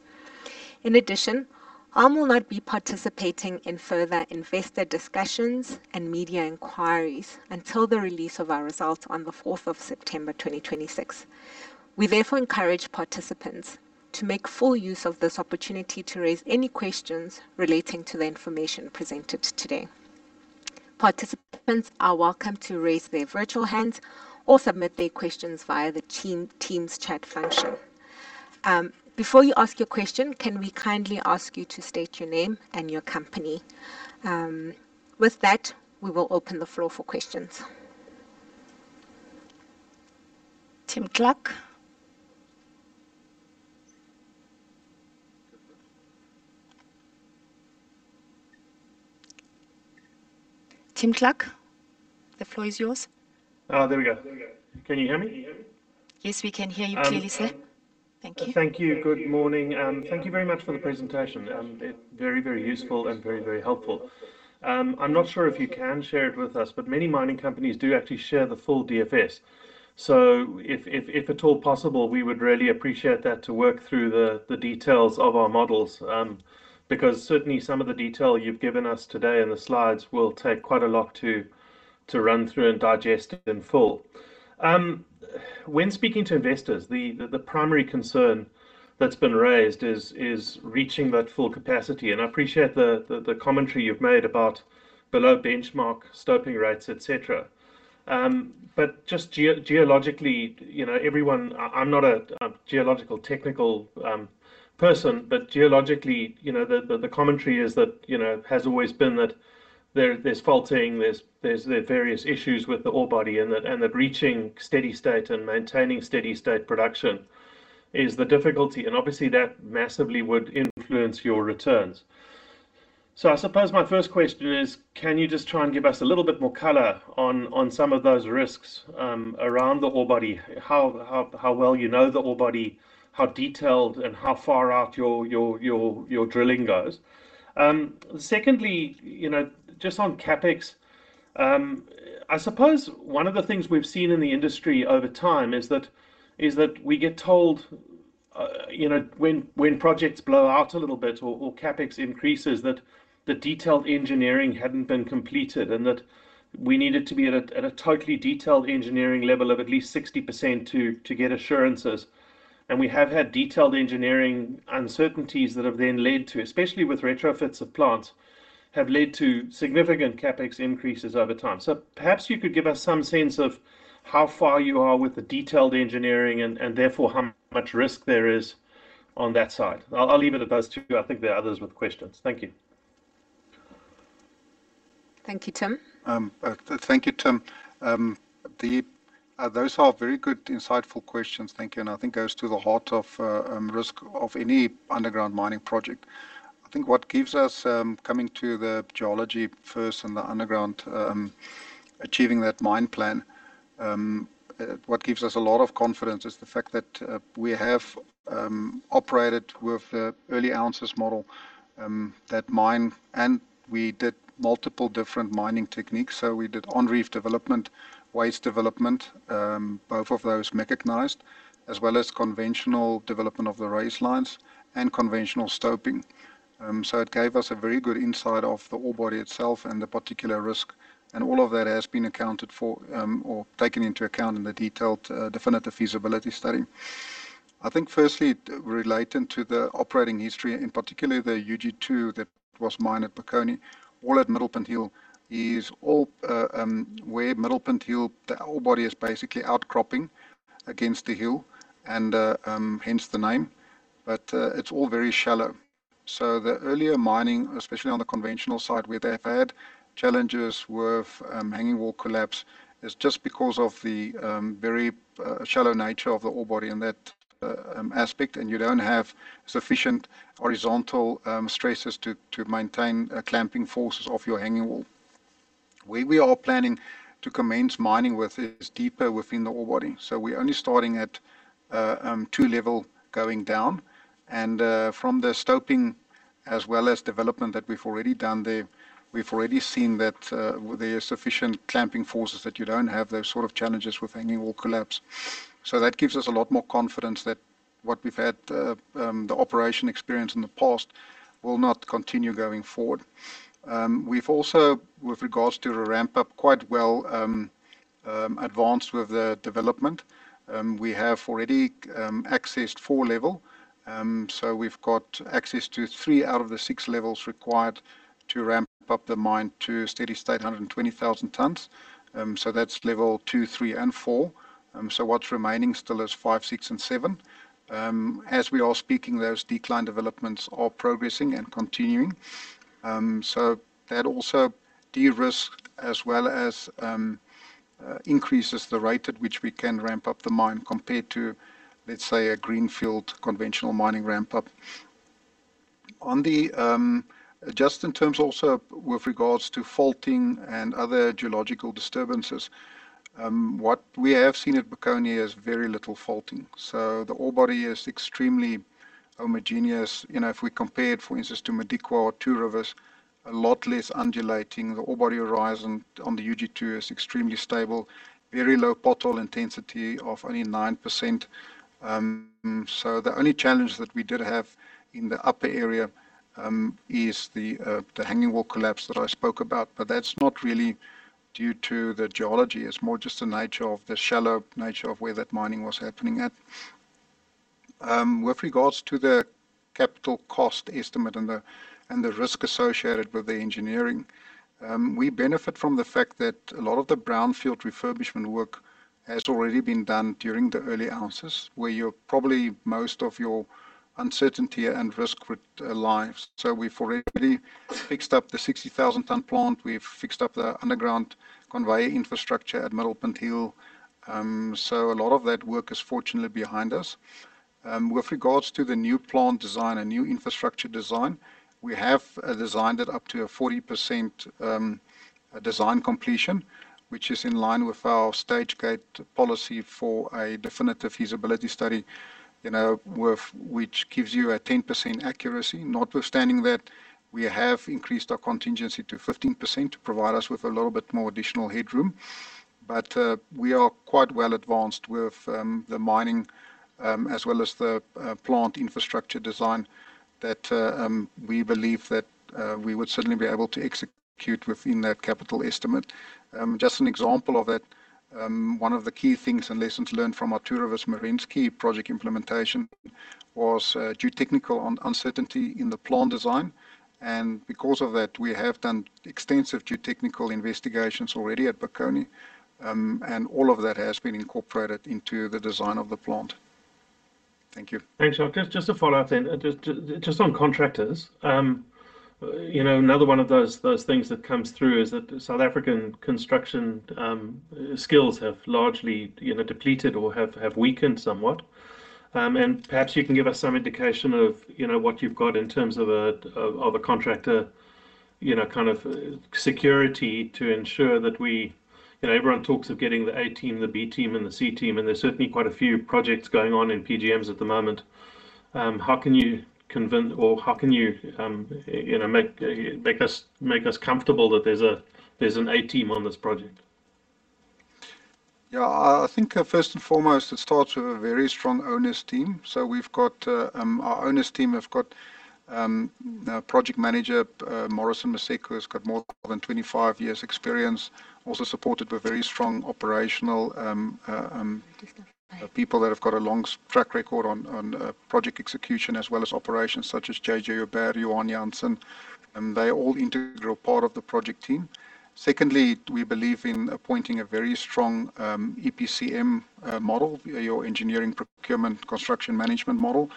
In addition, ARM will not be participating in further investor discussions and media inquiries until the release of our results on the 4th of September 2026. We therefore encourage participants to make full use of this opportunity to raise any questions relating to the information presented today. Participants are welcome to raise their virtual hands or submit their questions via the Teams chat function. Before you ask your question, can we kindly ask you to state your name and your company. With that, we will open the floor for questions. Tim Clark. Tim Clark, the floor is yours.
There we go. Can you hear me?
Yes, we can hear you clearly, sir. Thank you.
Thank you. Good morning. Thank you very much for the presentation. Very useful and very helpful. I'm not sure if you can share it with us, but many mining companies do actually share the full DFS. If at all possible, we would really appreciate that to work through the details of our models, because certainly some of the detail you've given us today in the slides will take quite a lot to run through and digest in full. When speaking to investors, the primary concern that's been raised is reaching that full capacity. I appreciate the commentary you've made about below benchmark stoping rates, et cetera. Just geologically, I'm not a geological technical person, but geologically, the commentary has always been that there's faulting, there's various issues with the ore body, and that reaching steady state and maintaining steady state production is the difficulty. Obviously that massively would influence your returns. I suppose my first question is, can you just try and give us a little bit more color on some of those risks around the ore body? How well you know the ore body, how detailed and how far out your drilling goes. Secondly, just on CapEx. I suppose one of the things we've seen in the industry over time is that we get told when projects blow out a little bit or CapEx increases, that the detailed engineering hadn't been completed and that we needed to be at a totally detailed engineering level of at least 60% to get assurances. We have had detailed engineering uncertainties that have then led to, especially with retrofits of plants, have led to significant CapEx increases over time. Perhaps you could give us some sense of how far you are with the detailed engineering and therefore how much risk there is on that side. I'll leave it at those two. I think there are others with questions. Thank you.
Thank you, Tim.
Thank you, Tim. Those are very good, insightful questions. Thank you. I think goes to the heart of risk of any underground mining project. What gives us a lot of confidence is the fact that we have operated with the early ounces model, that mine, and we did multiple different mining techniques. We did on-reef development, waste development, both of those mechanized, as well as conventional development of the raise lines and conventional stoping. It gave us a very good insight of the ore body itself and the particular risk, and all of that has been accounted for or taken into account in the detailed definitive feasibility study. I think firstly, relating to the operating history, in particular the UG2 that was mined at Bokoni, all at Middelpunt Hill, is all where Middelpunt Hill, the ore body is basically outcropping against the hill and hence the name. It's all very shallow. The earlier mining, especially on the conventional side, where they've had challenges with hanging wall collapse, is just because of the very shallow nature of the ore body in that aspect, and you don't have sufficient horizontal stresses to maintain clamping forces of your hanging wall. Where we are planning to commence mining with is deeper within the ore body. We're only starting at level 2 going down, and from the stoping as well as development that we've already done there, we've already seen that there are sufficient clamping forces that you don't have those sort of challenges with hanging wall collapse. That gives us a lot more confidence that what we've had, the operation experience in the past will not continue going forward. We've also, with regards to the ramp-up, quite well advanced with the development. We have already accessed 4 levels. We've got access to 3 out of the 6 levels required to ramp up the mine to a steady state 120,000 tonnes. That's level 2, 3, and 4. What's remaining still is 5, 6, and 7. As we are speaking, those decline developments are progressing and continuing. That also de-risks as well as increases the rate at which we can ramp up the mine compared to, let's say, a greenfield conventional mining ramp-up. On the adjust in terms also with regards to faulting and other geological disturbances, what we have seen at Bokoni is very little faulting. The ore body is extremely homogeneous. If we compare it, for instance, to Modikwa or Two Rivers, a lot less undulating. The ore body horizon on the UG2 is extremely stable. Very low pothole intensity of only 9%. The only challenge that we did have in the upper area, is the hanging wall collapse that I spoke about. That's not really due to the geology. It's more just the nature of the shallow nature of where that mining was happening at. With regards to the capital cost estimate and the risk associated with the engineering, we benefit from the fact that a lot of the brownfield refurbishment work has already been done during the early ounces, where probably most of your uncertainty and risk lies. We've already fixed up the 60,000-tonne plant. We've fixed up the underground conveyor infrastructure at Middelpunt Hill. A lot of that work is fortunately behind us. With regards to the new plant design and new infrastructure design, we have designed it up to a 40% design completion, which is in line with our stage gate policy for a Definitive Feasibility Study, which gives you a 10% accuracy. Notwithstanding that, we have increased our contingency to 15% to provide us with a little bit more additional headroom. We are quite well advanced with the mining, as well as the plant infrastructure design that we believe that we would certainly be able to execute within that capital estimate. Just an example of that, one of the key things and lessons learned from our Two Rivers, Merensky project implementation was geotechnical uncertainty in the plant design. Because of that, we have done extensive geotechnical investigations already at Bokoni. All of that has been incorporated into the design of the plant. Thank you.
Thanks, Jacques. Just a follow-up. Just on contractors. Another one of those things that comes through is that South African construction skills have largely depleted or have weakened somewhat. Perhaps you can give us some indication of what you've got in terms of a contractor kind of security to ensure that everyone talks of getting the A team, the B team, and the C team, and there's certainly quite a few projects going on in PGMs at the moment. How can you convince or how can you make us comfortable that there's an A team on this project?
Yeah. I think first and foremost, it starts with a very strong owners' team. Our owners' team have got a Project Manager, Morrison Maseko, who's got more than 25 years experience, also supported with very strong operational people that have got a long track record on project execution as well as operations such as J.J. Joubert, Johan Jansen. They are all integral part of the project team. Secondly, we believe in appointing a very strong EPCM model, your engineering, procurement, construction, management model.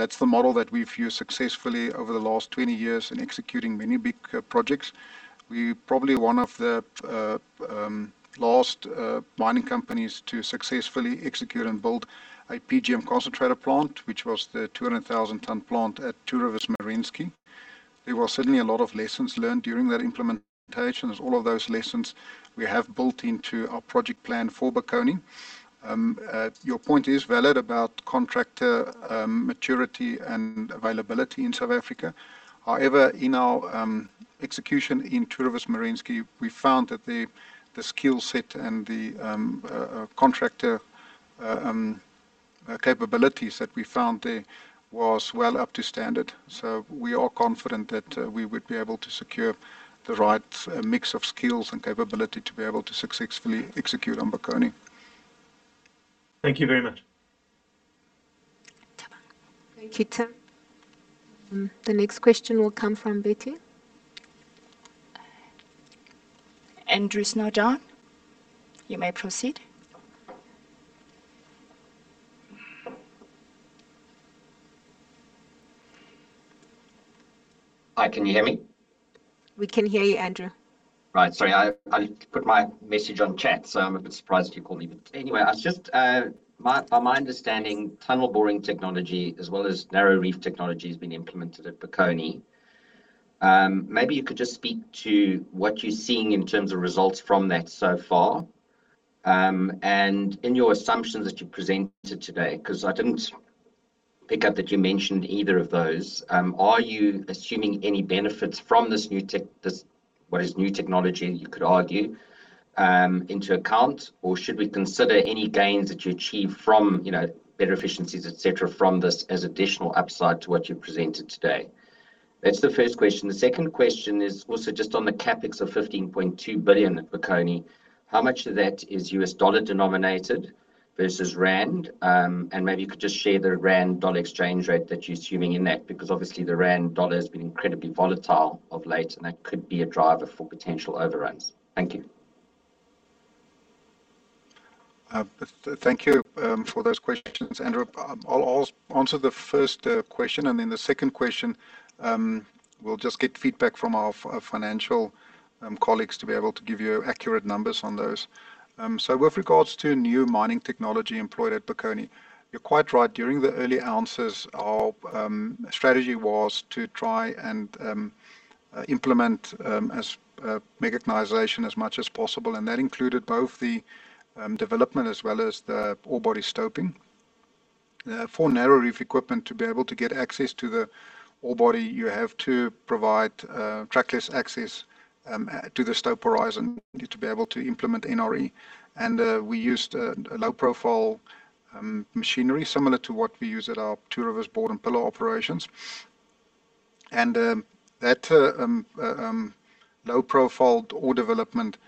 That's the model that we've used successfully over the last 20 years in executing many big projects. We're probably one of the last mining companies to successfully execute and build a PGM concentrator plant, which was the 200,000-tonne plant at Two Rivers, Merensky. There were certainly a lot of lessons learned during that implementation. There's all of those lessons we have built into our project plan for Bokoni. Your point is valid about contractor maturity and availability in South Africa. However, in our execution in Two Rivers, Merensky, we found that the skill set and the contractor capabilities that we found there was well up to standard. We are confident that we would be able to secure the right mix of skills and capability to be able to successfully execute on Bokoni.
Thank you very much.
Thank you, Tim. The next question will come from Betty. Andrew Snowden, you may proceed.
Hi, can you hear me?
We can hear you, Andrew.
Right. Sorry, I put my message on chat, so I'm a bit surprised you called me. Anyway, my understanding, tunnel boring technology as well as narrow reef technology has been implemented at Bokoni. Maybe you could just speak to what you're seeing in terms of results from that so far. In your assumptions that you presented today, because I didn't pick up that you mentioned either of those. Are you assuming any benefits from what is new technology, you could argue, into account, or should we consider any gains that you achieve from better efficiencies, et cetera, from this as additional upside to what you've presented today? That's the first question. The second question is also just on the CapEx of 15.2 billion at Bokoni. How much of that is US dollar denominated versus ZAR? And maybe you could just share the ZAR/USD exchange rate that you're assuming in that, because obviously the ZAR/USD has been incredibly volatile of late, and that could be a driver for potential overruns. Thank you.
Thank you for those questions, Andrew. I'll answer the first question, then the second question, we'll just get feedback from our financial colleagues to be able to give you accurate numbers on those. With regards to new mining technology employed at Bokoni, you're quite right. During the early ounces, our strategy was to try and implement mechanization as much as possible. That included both the development as well as the ore body stoping. For narrow reef equipment to be able to get access to the ore body, you have to provide trackless access to the stope horizon to be able to implement NRE. We used low-profile machinery similar to what we use at our Two Rivers bord and pillar operations. That low-profile ore development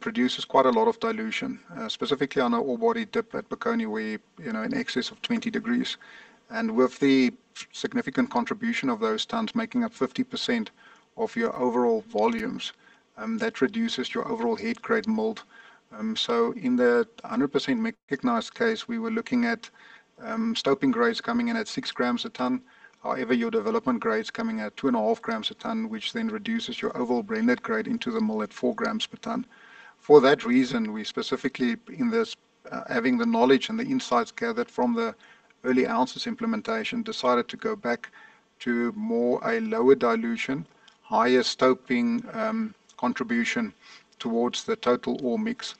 produces quite a lot of dilution, specifically on our ore body dip at Bokoni, where in excess of 20 degrees. With the significant contribution of those tons making up 50% of your overall volumes, that reduces your overall head grade milled. In the 100% mechanized case, we were looking at stoping grades coming in at 6 grams a ton. However, your development grade's coming at 2.5 grams a ton, which then reduces your overall blended grade into the milled at 4 grams per ton. For that reason, we specifically in this, having the knowledge and the insights gathered from the early ounces implementation, decided to go back to more a lower dilution, higher stoping contribution towards the total ore mix.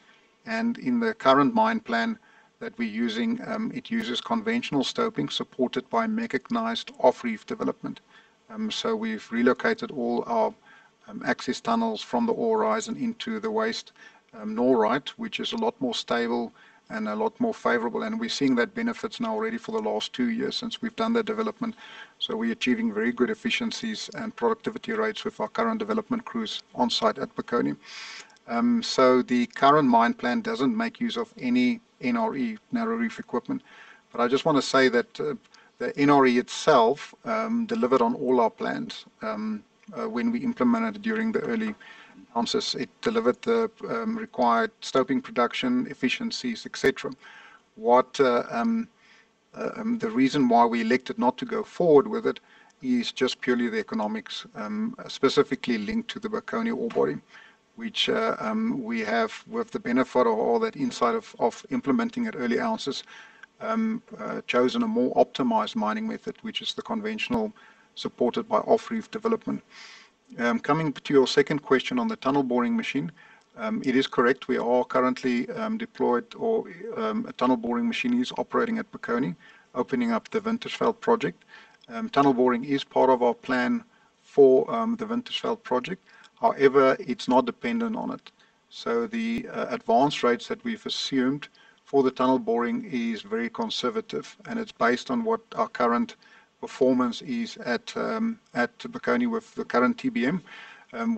In the current mine plan that we're using, it uses conventional stoping supported by mechanized off-reef development. We've relocated all our access tunnels from the ore horizon into the waste norite, which is a lot more stable and a lot more favorable, and we're seeing that benefit now already for the last two years since we've done that development. We're achieving very good efficiencies and productivity rates with our current development crews on-site at Bokoni. The current mine plan doesn't make use of any NRE, narrow reef equipment. I just want to say that the NRE itself delivered on all our plans. When we implemented during the early ounces, it delivered the required stoping production efficiencies, et cetera. The reason why we elected not to go forward with it is just purely the economics, specifically linked to the Bokoni ore body, which we have, with the benefit of all that insight of implementing at early ounces, chosen a more optimized mining method, which is the conventional supported by off-reef development. Coming to your second question on the tunnel boring machine. It is correct, we are currently deployed, or a tunnel boring machine is operating at Bokoni, opening up the Winterveld project. Tunnel boring is part of our plan for the Winterveld project. However, it's not dependent on it. The advance rates that we've assumed for the tunnel boring is very conservative, and it's based on what our current performance is at Bokoni with the current TBM,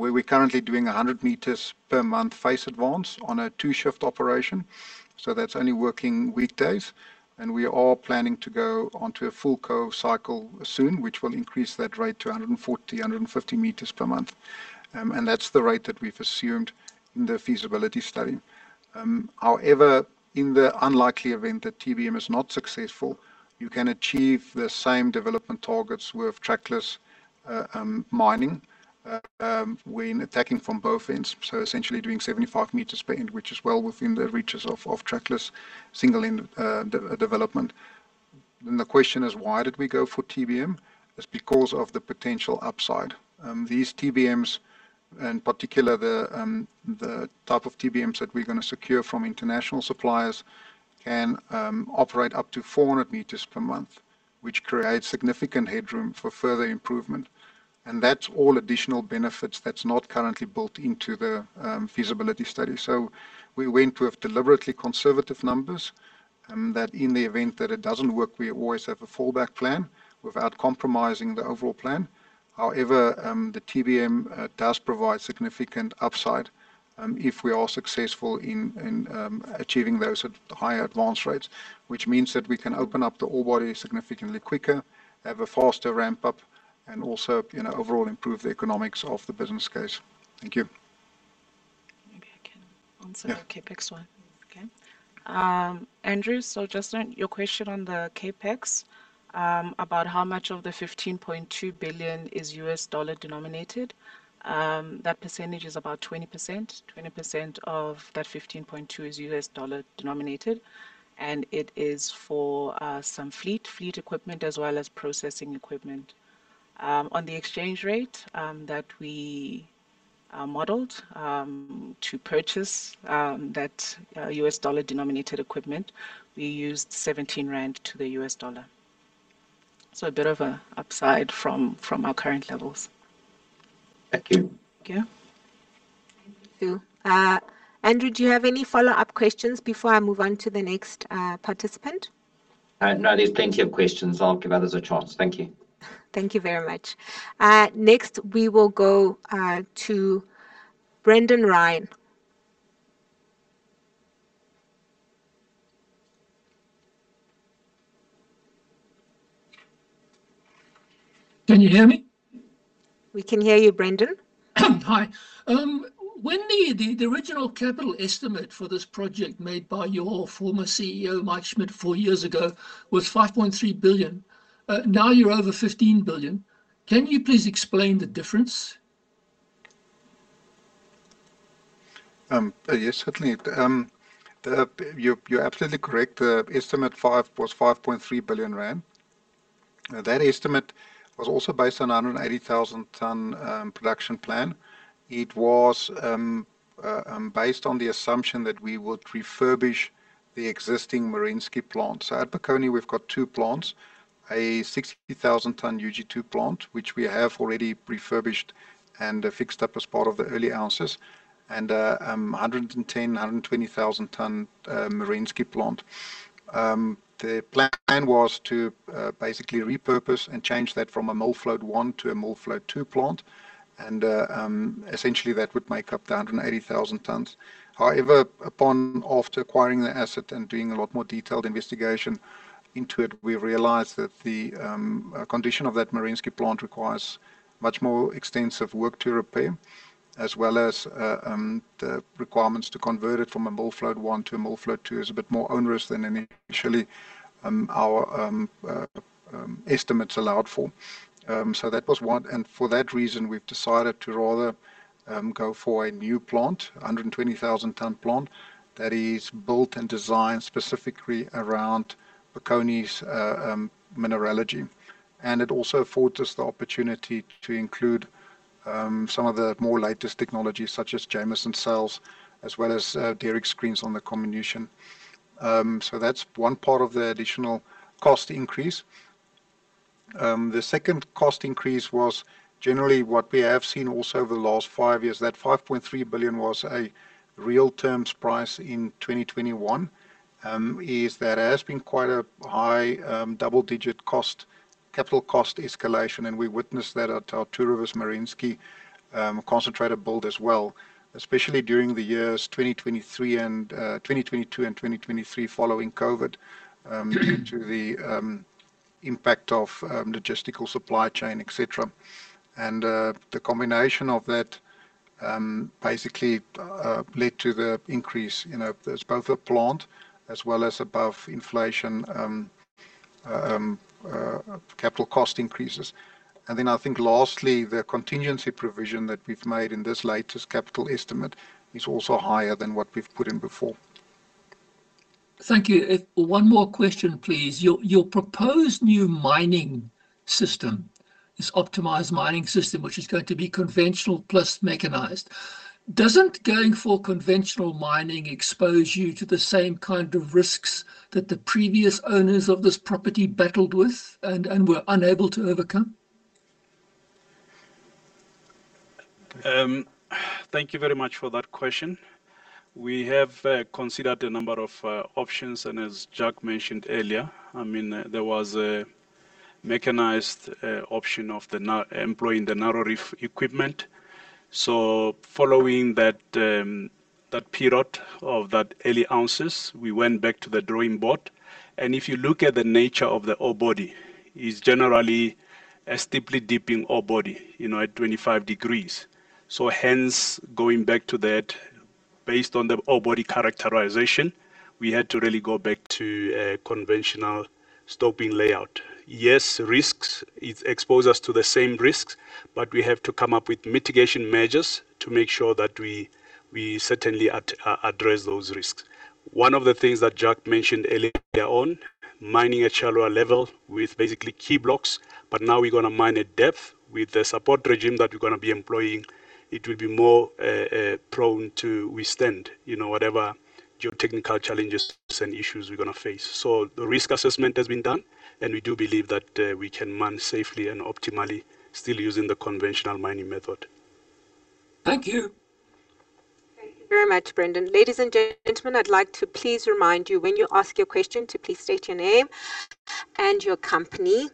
where we're currently doing 100 meters per month face advance on a two-shift operation, that's only working weekdays. We are planning to go onto a full co-cycle soon, which will increase that rate to 140, 150 meters per month. That's the rate that we've assumed in the feasibility study. However, in the unlikely event that TBM is not successful, you can achieve the same development targets with trackless mining when attacking from both ends, so essentially doing 75 meters per end, which is well within the reaches of trackless single-end development. The question is why did we go for TBM? It's because of the potential upside. These TBMs, in particular the type of TBMs that we're going to secure from international suppliers, can operate up to 400 meters per month, which creates significant headroom for further improvement, and that's all additional benefits that's not currently built into the feasibility study. We went with deliberately conservative numbers, that in the event that it doesn't work, we always have a fallback plan without compromising the overall plan. However, the TBM does provide significant upside if we are successful in achieving those at higher advance rates, which means that we can open up the ore body significantly quicker, have a faster ramp-up, and also overall improve the economics of the business case. Thank you.
Maybe I can answer-
Yeah.
The CapEx one. Okay, Andrew, just on your question on the CapEx, about how much of the $15.2 billion is U.S. dollar denominated. That percentage is about 20%. 20% of that 15.2 is U.S. dollar denominated, and it is for some fleet equipment as well as processing equipment. On the exchange rate that we modeled to purchase that U.S. dollar-denominated equipment, we used 17 rand to the U.S. dollar. A bit of a upside from our current levels.
Thank you.
Thank you.
Thank you. Andrew, do you have any follow-up questions before I move on to the next participant?
No, there's plenty of questions. I'll give others a chance. Thank you.
Thank you very much. Next, we will go to Brendan Ryan.
Can you hear me?
We can hear you, Brendan.
Hi. When the original capital estimate for this project made by your former CEO, Mike Schmidt, four years ago was 5.3 billion. Now you're over 15 billion. Can you please explain the difference?
Yes, certainly. You're absolutely correct. The estimate was 5.3 billion rand. That estimate was also based on 180,000 tonne production plan. It was based on the assumption that we would refurbish the existing Merensky plant. At Bokoni, we've got two plants, a 60,000 tonne UG2 plant, which we have already refurbished and fixed up as part of the early ounces, and 110,000, 120,000 tonne Merensky plant. The plan was to basically repurpose and change that from an Mill-Float1 to an Mill-Float2 plant, essentially that would make up the 180,000 tons. However, upon after acquiring the asset and doing a lot more detailed investigation into it, we realized that the condition of that Merensky plant requires much more extensive work to repair, as well as the requirements to convert it from an Mill-Float1 to an Mill-Float2 is a bit more onerous than initially our estimates allowed for. That was one, for that reason, we've decided to rather go for a new plant, 120,000-ton plant that is built and designed specifically around Bokoni's mineralogy. It also affords us the opportunity to include some of the more latest technologies such as Jameson Cells as well as Derrick Screens on the combination. That's one part of the additional cost increase. The second cost increase was generally what we have seen also over the last five years. That 5.3 billion was a real terms price in 2021, is that there has been quite a high double-digit capital cost escalation, we witnessed that at our Two Rivers Merensky concentrator build as well, especially during the years 2022 and 2023 following COVID, due to the impact of logistical supply chain, et cetera. The combination of that basically led to the increase. There's both a plant as well as above inflation capital cost increases. Lastly, the contingency provision that we've made in this latest capital estimate is also higher than what we've put in before.
Thank you. One more question, please. Your proposed new mining system, this optimized mining system, which is going to be conventional plus mechanized. Doesn't going for conventional mining expose you to the same kind of risks that the previous owners of this property battled with and were unable to overcome?
Thank you very much for that question. We have considered a number of options, as Jacques mentioned earlier, there was a mechanized option of employing the narrow reef equipment. Following that period of that early ounces, we went back to the drawing board. If you look at the nature of the ore body, is generally a steeply dipping ore body, at 25 degrees. Hence, going back to that, based on the ore body characterization, we had to really go back to a conventional stoping layout. Yes, risks. It expose us to the same risks, we have to come up with mitigation measures to make sure that we certainly address those risks. One of the things that Jacques mentioned earlier on, mining at shallower level with basically key blocks, now we're going to mine at depth with the support regime that we're going to be employing. It will be more prone to withstand whatever geotechnical challenges and issues we're going to face. The risk assessment has been done, we do believe that we can mine safely and optimally still using the conventional mining method.
Thank you.
Thank you very much, Brendan. Ladies and gentlemen, I'd like to please remind you when you ask your question, to please state your name and your company.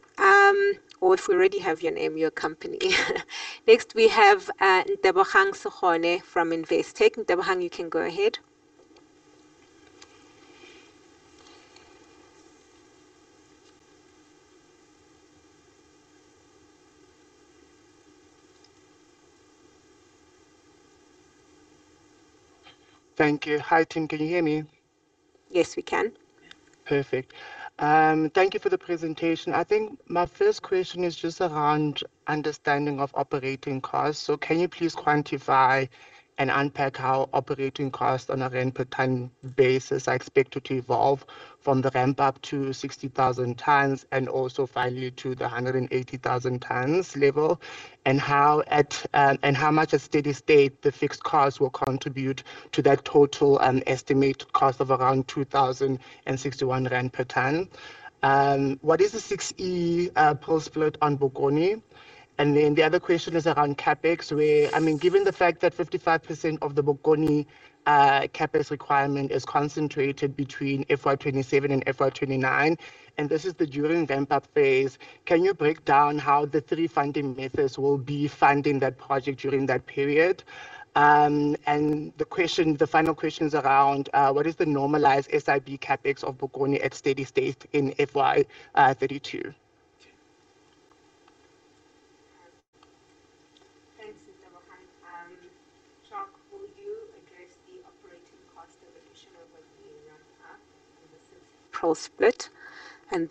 Or if we already have your name, your company. Next, we have Ntebogang Segone from Investec. Ntebogang, you can go ahead.
Thank you. Hi, team. Can you hear me?
Yes, we can.
Perfect. Thank you for the presentation. I think my first question is just around understanding of operating costs. Can you please quantify and unpack how operating costs on a ZAR per ton basis are expected to evolve from the ramp-up to 60,000 tonnes and also finally to the 180,000 tonnes level, and how much at steady state the fixed costs will contribute to that total, an estimated cost of around 2,061 rand per tonne. What is the 6E post split on Bokoni? Then the other question is around CapEx, where given the fact that 55% of the Bokoni CapEx requirement is concentrated between FY 2027 and FY 2029, and this is during the ramp-up phase, can you break down how the three funding methods will be funding that project during that period? The final question is around what is the normalized SIB CapEx of Bokoni at steady state in FY 2032?
Thanks. Ntebogang. Jacques, will you address the operating cost evolution over the ramp-up and the post-split? Then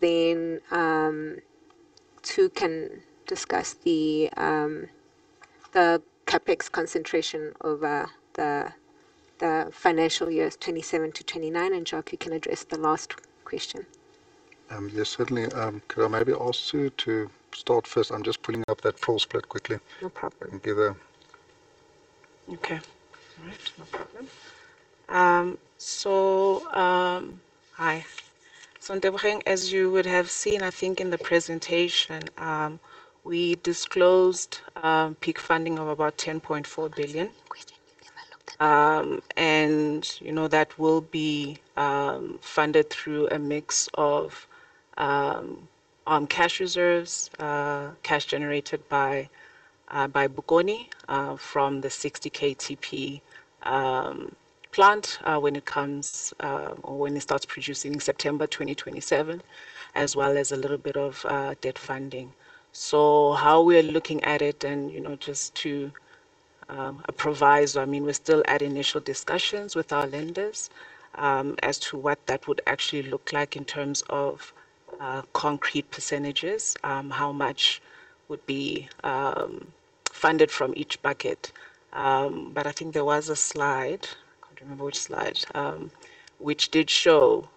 Tsu can discuss the CapEx concentration over the financial years FY 2027 to FY 2029. Jacques, you can address the last question.
Yes, certainly. Could I maybe ask Tsu to start first? I'm just pulling up that full split quickly.
No problem.
I can give a-
Okay. All right. No problem. Hi. Ntebogang, as you would have seen, I think, in the presentation, we disclosed peak funding of about 10.4 billion. That will be funded through a mix of cash reserves, cash generated by Bokoni from the 60KTP plant when it starts producing in September 2027, as well as a little bit of debt funding. How we are looking at it and just to a proviso, we're still at initial discussions with our lenders as to what that would actually look like in terms of concrete percentages, how much would be funded from each bucket. I think there was a slide, I can't remember which slide, which did show.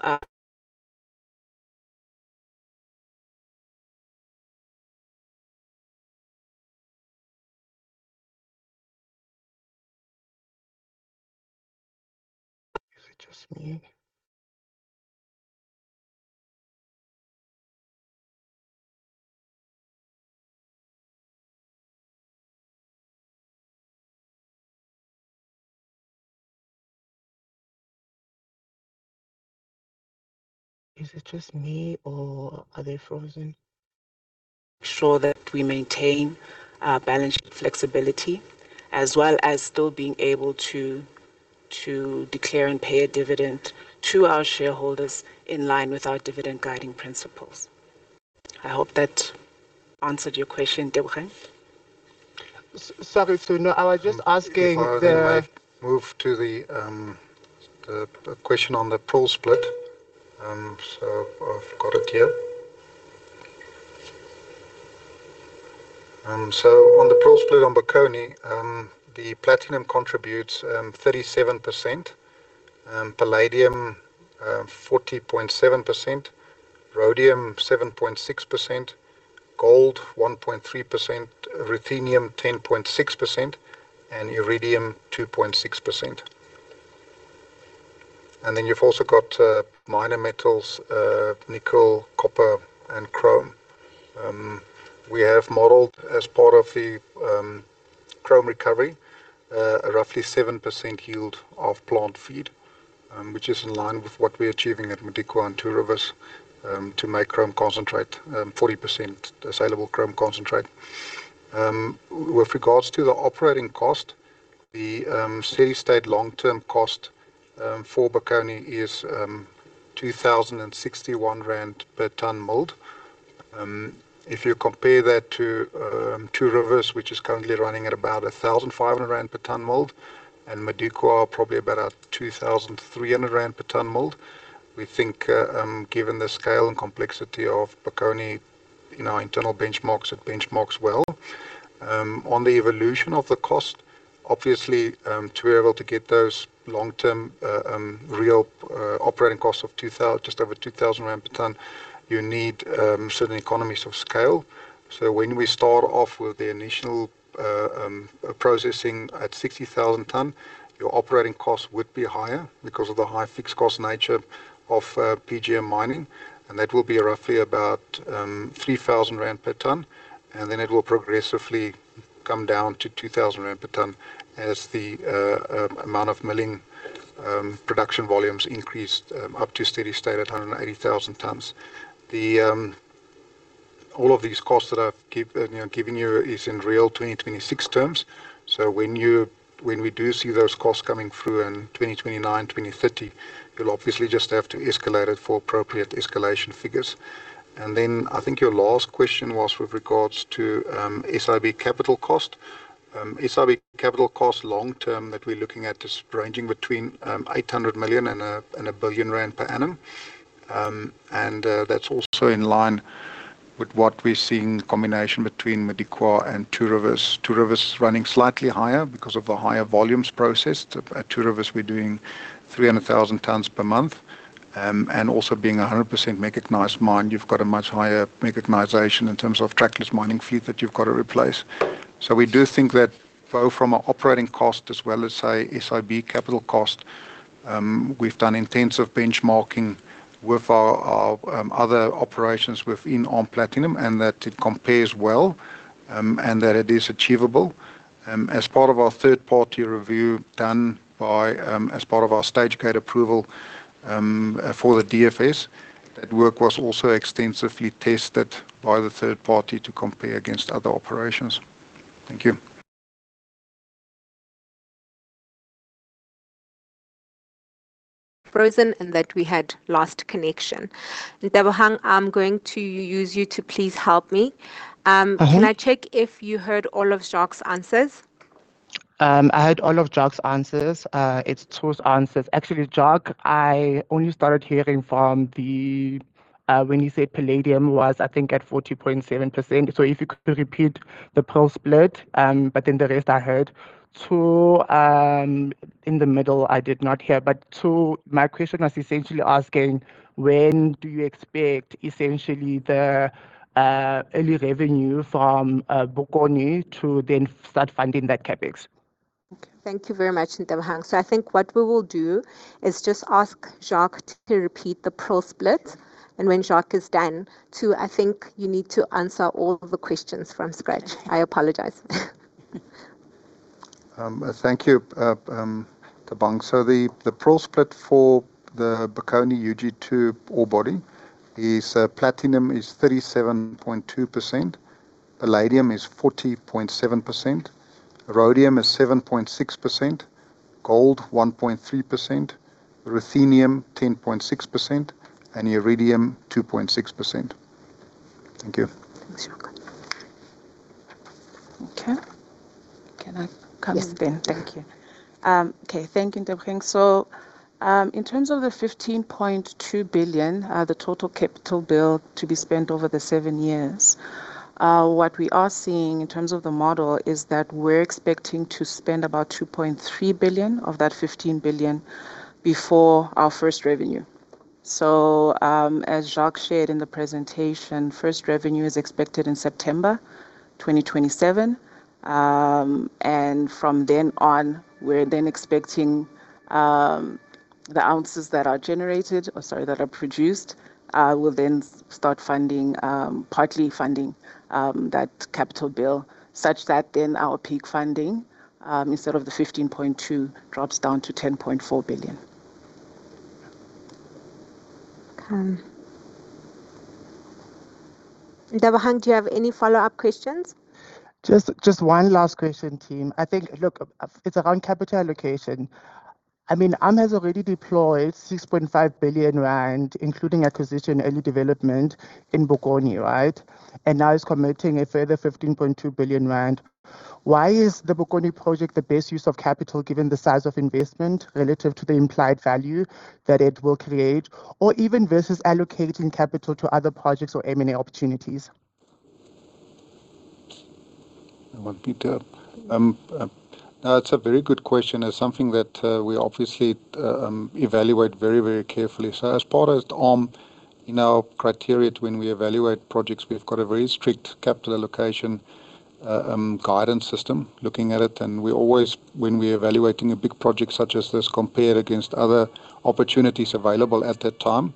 Is it just me or are they frozen?
Sure that we maintain our balance sheet flexibility as well as still being able to declare and pay a dividend to our shareholders in line with our dividend guiding principles. I hope that answered your question, Ntebogang.
Sorry, Tsu. I was just asking.
If I then might move to the question on the pool split. I've got it here. On the pool split on Bokoni, the platinum contributes 37%, palladium 40.7%, rhodium 7.6%, gold 1.3%, ruthenium 10.6%, and iridium 2.6%. You've also got minor metals, nickel, copper, and chrome. We have modeled as part of the chrome recovery, a roughly 7% yield of plant feed, which is in line with what we're achieving at Modikwa and Two Rivers to make chrome concentrate, 40% saleable chrome concentrate. With regards to the operating cost, the steady state long-term cost for Bokoni is 2,061 rand per tonne milled. If you compare that to Two Rivers, which is currently running at about 1,500 rand per tonne milled, and Modikwa are probably about 2,300 rand per tonne milled. We think, given the scale and complexity of Bokoni, our internal benchmarks, it benchmarks well. On the evolution of the cost, obviously, to be able to get those long-term real operating costs of just over 2,000 rand per tonne, you need certain economies of scale. When we start off with the initial processing at 60,000 tonne, your operating costs would be higher because of the high fixed cost nature of PGM mining, that will be roughly about 3,000 rand per tonne. It will progressively come down to 2,000 rand per tonne as the amount of milling production volumes increase up to steady state at 180,000 tonnes. All of these costs that I've given you are in real 2026 terms. When we do see those costs coming through in 2029, 2030, you'll obviously just have to escalate it for appropriate escalation figures. I think your last question was with regards to SIB capital cost. SIB capital cost long-term that we're looking at is ranging between 800 million and 1 billion rand per annum. That's also in line with what we're seeing, combination between Modikwa and Two Rivers. Two Rivers is running slightly higher because of the higher volumes processed. At Two Rivers, we're doing 300,000 tons per month. Also being a 100% mechanized mine, you've got a much higher mechanization in terms of trackless mining fleet that you've got to replace. We do think that both from an operating cost as well as, say, SIB capital cost, we've done intensive benchmarking with our other operations within ARM Platinum, and that it compares well, and that it is achievable. As part of our third-party review done as part of our stage gate approval for the DFS, that work was also extensively tested by the third party to compare against other operations. Thank you.
Frozen and that we had lost connection. Ntebogang, I'm going to use you to please help me. Can I check if you heard all of Jacques' answers?
I heard all of Jacques' answers. It's Tsu's answers. Actually, Jacques, I only started hearing from when you said palladium was, I think, at 40.7%. If you could repeat the pearl split. The rest I heard. Tsu, in the middle, I did not hear. Tsu, my question was essentially asking, when do you expect essentially the early revenue from Bokoni to start funding that CapEx?
Okay. Thank you very much, Ntebogang. I think what we will do is just ask Jacques to repeat the pearl split. When Jacques is done, Tsu, I think you need to answer all the questions from scratch. I apologize.
Thank you, Ntebogang. The pearl split for the Bokoni UG2 ore body is platinum is 37.2%, palladium is 40.7%, rhodium is 7.6%, gold 1.3%, ruthenium 10.6%, and iridium 2.6%. Thank you.
Thanks, Jacques.
Okay. Can I come in then?
Ye s.
Thank you. Okay. Thank you, Ntebogang. In terms of the 15.2 billion, the total capital bill to be spent over the seven years, what we are seeing in terms of the model is that we're expecting to spend about 2.3 billion of that 15 billion before our first revenue. As Jacques shared in the presentation, first revenue is expected in September 2027. From then on, we're then expecting the ounces that are produced will then start partly funding that capital bill such that then our peak funding, instead of the 15.2, drops down to 10.4 billion.
Okay. Ntebogang, do you have any follow-up questions?
Just one last question, team. I think, look, it's around capital allocation. ARM has already deployed 6.5 billion rand, including acquisition, early development in Bokoni, right? Now is committing a further 15.2 billion rand. Why is the Bokoni project the best use of capital given the size of investment relative to the implied value that it will create, or even versus allocating capital to other projects or M&A opportunities?
No, it's a very good question. It's something that we obviously evaluate very carefully. As part of ARM, in our criteria to when we evaluate projects, we've got a very strict capital allocation guidance system looking at it. We always, when we're evaluating a big project such as this, compare against other opportunities available at that time,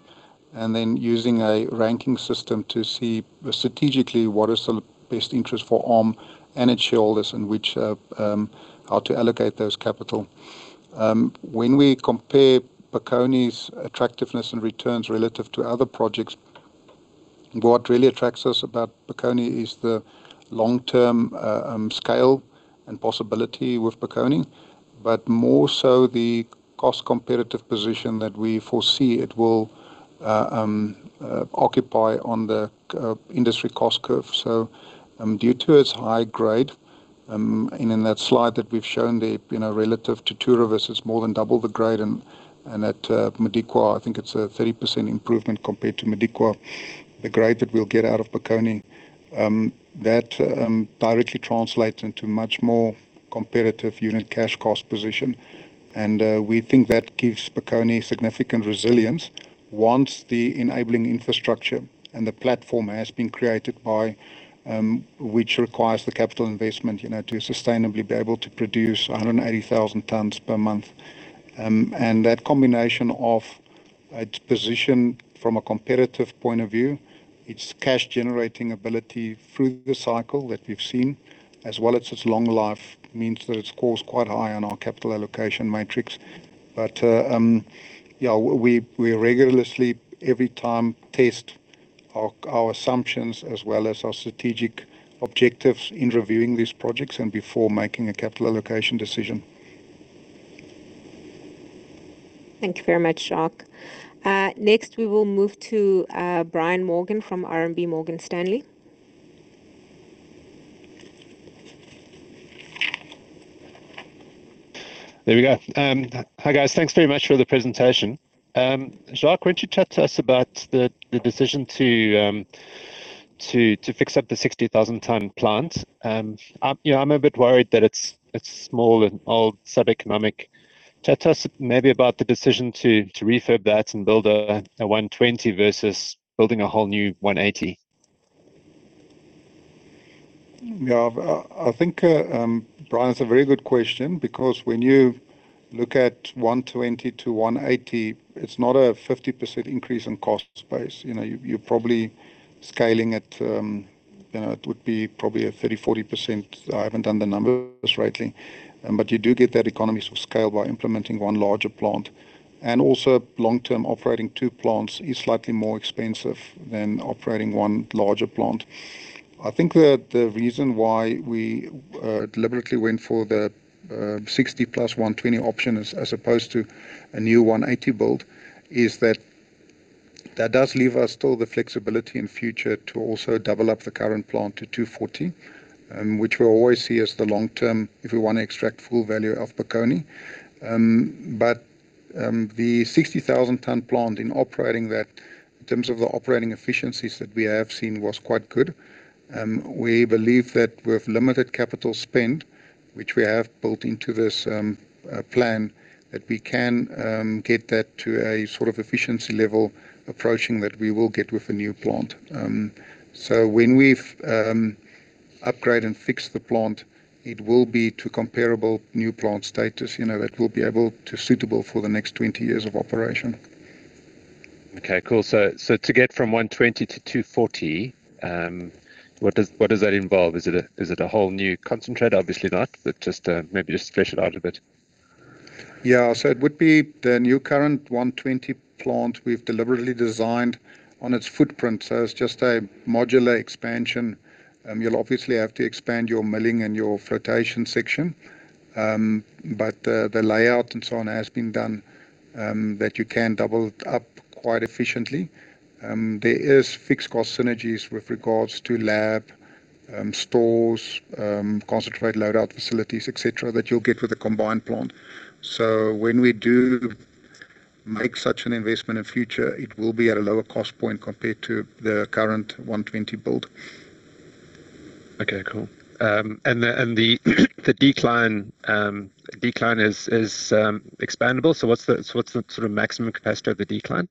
and then using a ranking system to see strategically what is the best interest for ARM and its shareholders, and which, how to allocate those capital. When we compare Bokoni's attractiveness and returns relative to other projects, what really attracts us about Bokoni is the long-term scale and possibility with Bokoni. More so the cost competitive position that we foresee it will occupy on the industry cost curve. Due to its high grade, and in that slide that we've shown there, relative to Two Rivers, it's more than double the grade, and that Modikwa, I think it's a 30% improvement compared to Modikwa. The grade that we'll get out of Bokoni, that directly translates into much more competitive unit cash cost position. We think that gives Bokoni significant resilience once the enabling infrastructure and the platform has been created by, which requires the capital investment, to sustainably be able to produce 180,000 tons per month. That combination of its position from a competitive point of view, its cash-generating ability through the cycle that we've seen, as well as its long life, means that it scores quite high on our capital allocation matrix. We regularly every time test our assumptions as well as our strategic objectives in reviewing these projects and before making a capital allocation decision.
Thank you very much, Jacques. Next we will move to Brian Morgan from RMB Morgan Stanley.
There we go. Hi guys. Thanks very much for the presentation. Jacques, why don't you chat to us about the decision to fix up the 60,000 tonne plant? I'm a bit worried that it's small and old, sub-economic. Chat to us maybe about the decision to refurb that and build a 120 versus building a whole new 180.
Yeah. I think, Brian, it's a very good question because when you look at 120 to 180, it's not a 50% increase in cost space. You're probably scaling it. It would be probably a 30%, 40%. I haven't done the numbers rightly. You do get that economies of scale by implementing one larger plant. Also long-term operating two plants is slightly more expensive than operating one larger plant. I think that the reason why we deliberately went for the 60+, 120 option as opposed to a new 180 build is that does leave us still the flexibility in future to also double up the current plant to 240, which we'll always see as the long-term if we want to extract full value of Bokoni. The 60,000 ton plant in operating that in terms of the operating efficiencies that we have seen was quite good. We believe that with limited capital spend, which we have built into this plan, that we can get that to a sort of efficiency level approaching that we will get with a new plant. When we've upgrade and fix the plant, it will be to comparable new plant status, that we'll be able to suitable for the next 20 years of operation.
Okay, cool. To get from 120 to 240, what does that involve? Is it a whole new concentrate? Obviously not, just maybe just flesh it out a bit.
It would be the new current 120 plant we've deliberately designed on its footprint. It's just a modular expansion. You'll obviously have to expand your milling and your flotation section. The layout and so on has been done, that you can double up quite efficiently. There is fixed cost synergies with regards to lab, stores, concentrate load out facilities, et cetera, that you'll get with a combined plant. When we do make such an investment in future, it will be at a lower cost point compared to the current 120 build.
Okay, cool. The decline is expandable. What's the sort of maximum capacity of the decline?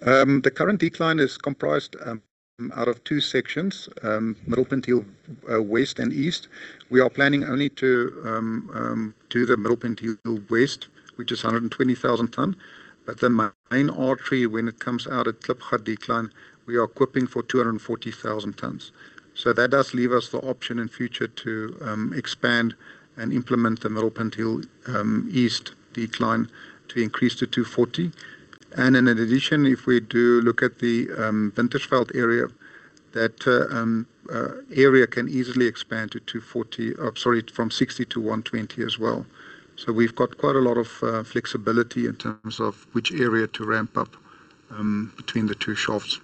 The current decline is comprised out of two sections, Middelpunt Hill West and East. We are planning only to do the Middelpunt Hill West, which is 120,000 tonnes. The main artery, when it comes out at Klipgat Decline, we are equipping for 240,000 tonnes. That does leave us the option in future to expand and implement the Middelpunt Hill East decline to increase to 240,000 tonnes. In addition, if we do look at the Winterveld area, that area can easily expand from 60,000 tonnes to 120,000 tonnes as well. We've got quite a lot of flexibility in terms of which area to ramp up between the two shafts.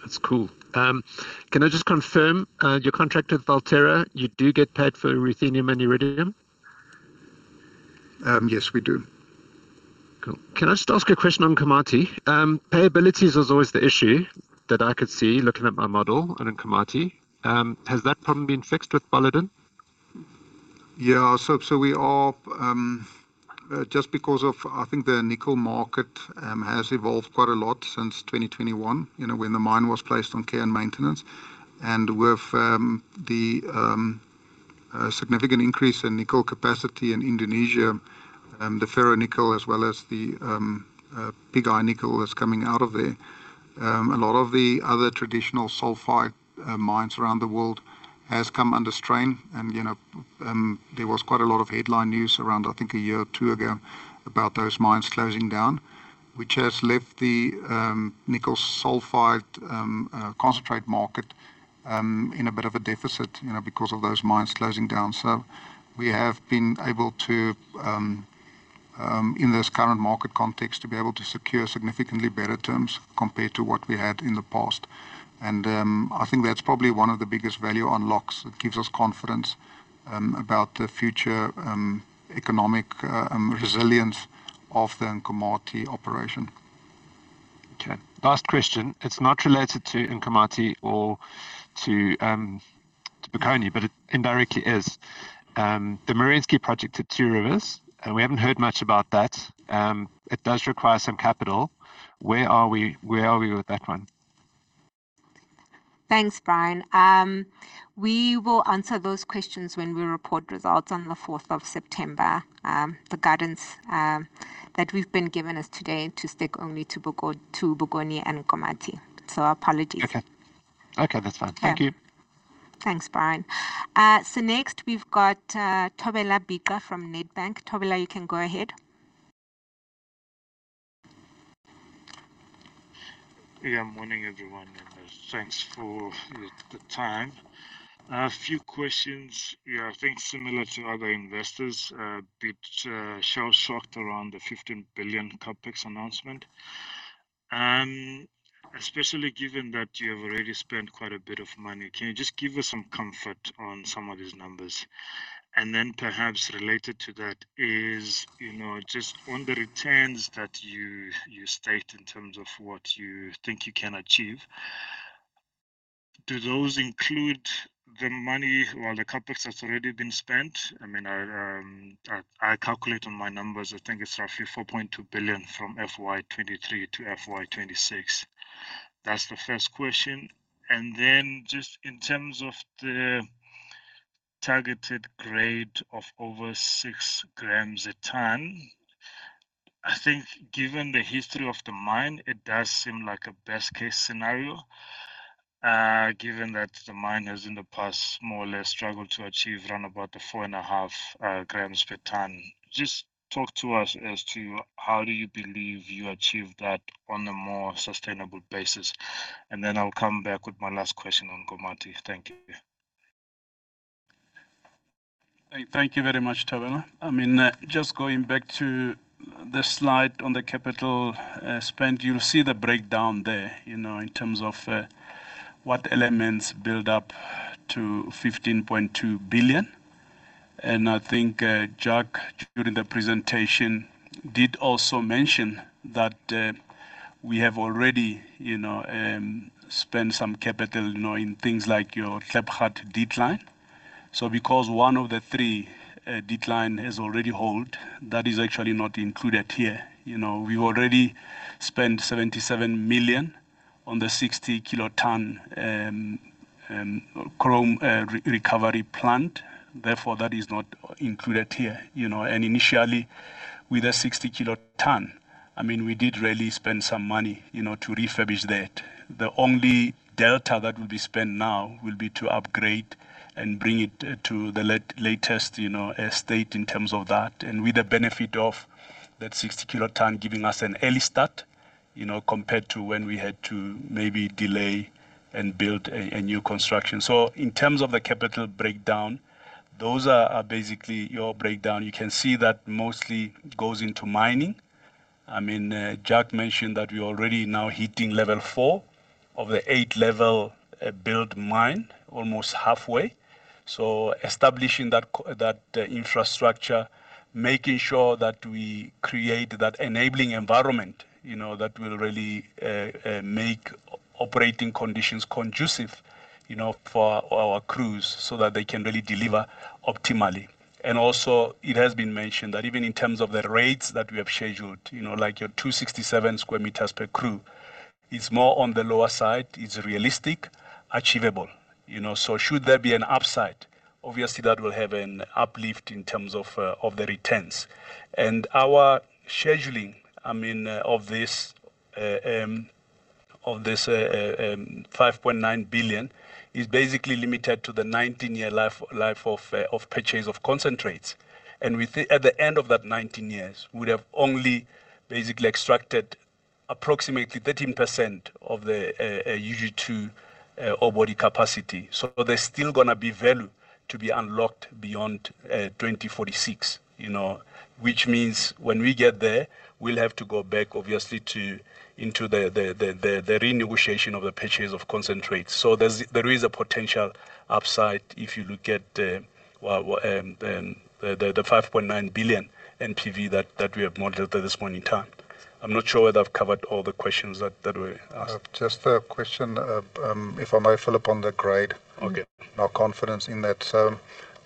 That's cool. Can I just confirm, your contract with Valterra, you do get paid for ruthenium and iridium?
Yes, we do.
Cool. Can I just ask a question on Nkomati? Payabilities was always the issue that I could see looking at my model around Nkomati. Has that problem been fixed with Paladin?
Just because of, I think the nickel market has evolved quite a lot since 2021, when the mine was placed on care and maintenance. With the significant increase in nickel capacity in Indonesia, the ferro-nickel as well as the pig iron nickel that's coming out of there. A lot of the other traditional sulfide mines around the world has come under strain, and there was quite a lot of headline news around, I think a year or two ago, about those mines closing down. Which has left the nickel sulfide concentrate market in a bit of a deficit because of those mines closing down. We have been able to, in this current market context, to be able to secure significantly better terms compared to what we had in the past. I think that's probably one of the biggest value unlocks that gives us confidence about the future economic resilience of the Nkomati operation.
Okay. Last question. It's not related to Nkomati or to Bokoni, but it indirectly is. The Merensky project at Two Rivers, we haven't heard much about that. It does require some capital. Where are we with that one?
Thanks, Brian. We will answer those questions when we report results on the 4th of September. The guidance that we've been given is today to stick only to Bokoni and Nkomati. Apologies.
Okay. That's fine. Thank you.
Thanks, Brian. Next we've got Thobela Bixa from Nedbank. Thobela, you can go ahead.
Yeah. Morning, everyone, and thanks for the time. A few questions. Yeah, I think similar to other investors, bit shell-shocked around the 15 billion CapEx announcement. Especially given that you have already spent quite a bit of money, can you just give us some comfort on some of these numbers? Then perhaps related to that is, just on the returns that you state in terms of what you think you can achieve, do those include the money or the capital that's already been spent? I calculate on my numbers, I think it's roughly 4.2 billion from FY 2023 to FY 2026. That's the first question. Just in terms of the targeted grade of over 6 grams a tonne, I think given the history of the mine, it does seem like a best-case scenario, given that the mine has in the past more or less struggled to achieve around about the 4.5 grams per tonne. Just talk to us as to how do you believe you achieve that on a more sustainable basis, then I'll come back with my last question on Nkomati. Thank you.
Thank you very much, Thobela. Just going back to the slide on the capital spend, you'll see the breakdown there, in terms of what elements build up to 15.2 billion. I think Jacques, during the presentation, did also mention that we have already spent some capital in things like your Klipgat Decline. Because one of the three decline is already hauled, that is actually not included here. We've already spent 77 million on the 60-kilotonne chrome recovery plant, therefore that is not included here. Initially with that 60-kilotonne, we did really spend some money to refurbish that. The only delta that will be spent now will be to upgrade and bring it to the latest state in terms of that. With the benefit of that 60-kilotonne giving us an early start, compared to when we had to maybe delay and build a new construction. In terms of the capital breakdown, those are basically your breakdown. You can see that mostly goes into mining. Jacques mentioned that we're already now hitting level 4 of the 8-level build mine, almost halfway. Establishing that infrastructure, making sure that we create that enabling environment, that will really make operating conditions conducive for our crews so that they can really deliver optimally. Also, it has been mentioned that even in terms of the rates that we have scheduled, like your 267 sq m per crew, it's more on the lower side. It's realistic, achievable. Should there be an upside, obviously that will have an uplift in terms of the returns. Our scheduling of this 5.9 billion is basically limited to the 19-year life of purchase of concentrates. At the end of that 19 years, we'd have only basically extracted approximately 13% of the UG2 ore body capacity. There's still going to be value to be unlocked beyond 2046, which means when we get there, we'll have to go back obviously into the renegotiation of the purchase of concentrates. There is a potential upside if you look at the 5.9 billion NPV that we have modeled at this point in time. I'm not sure whether I've covered all the questions that were asked.
Just a question, if I may, Phillip, on the grade.
Okay.
Our confidence in that.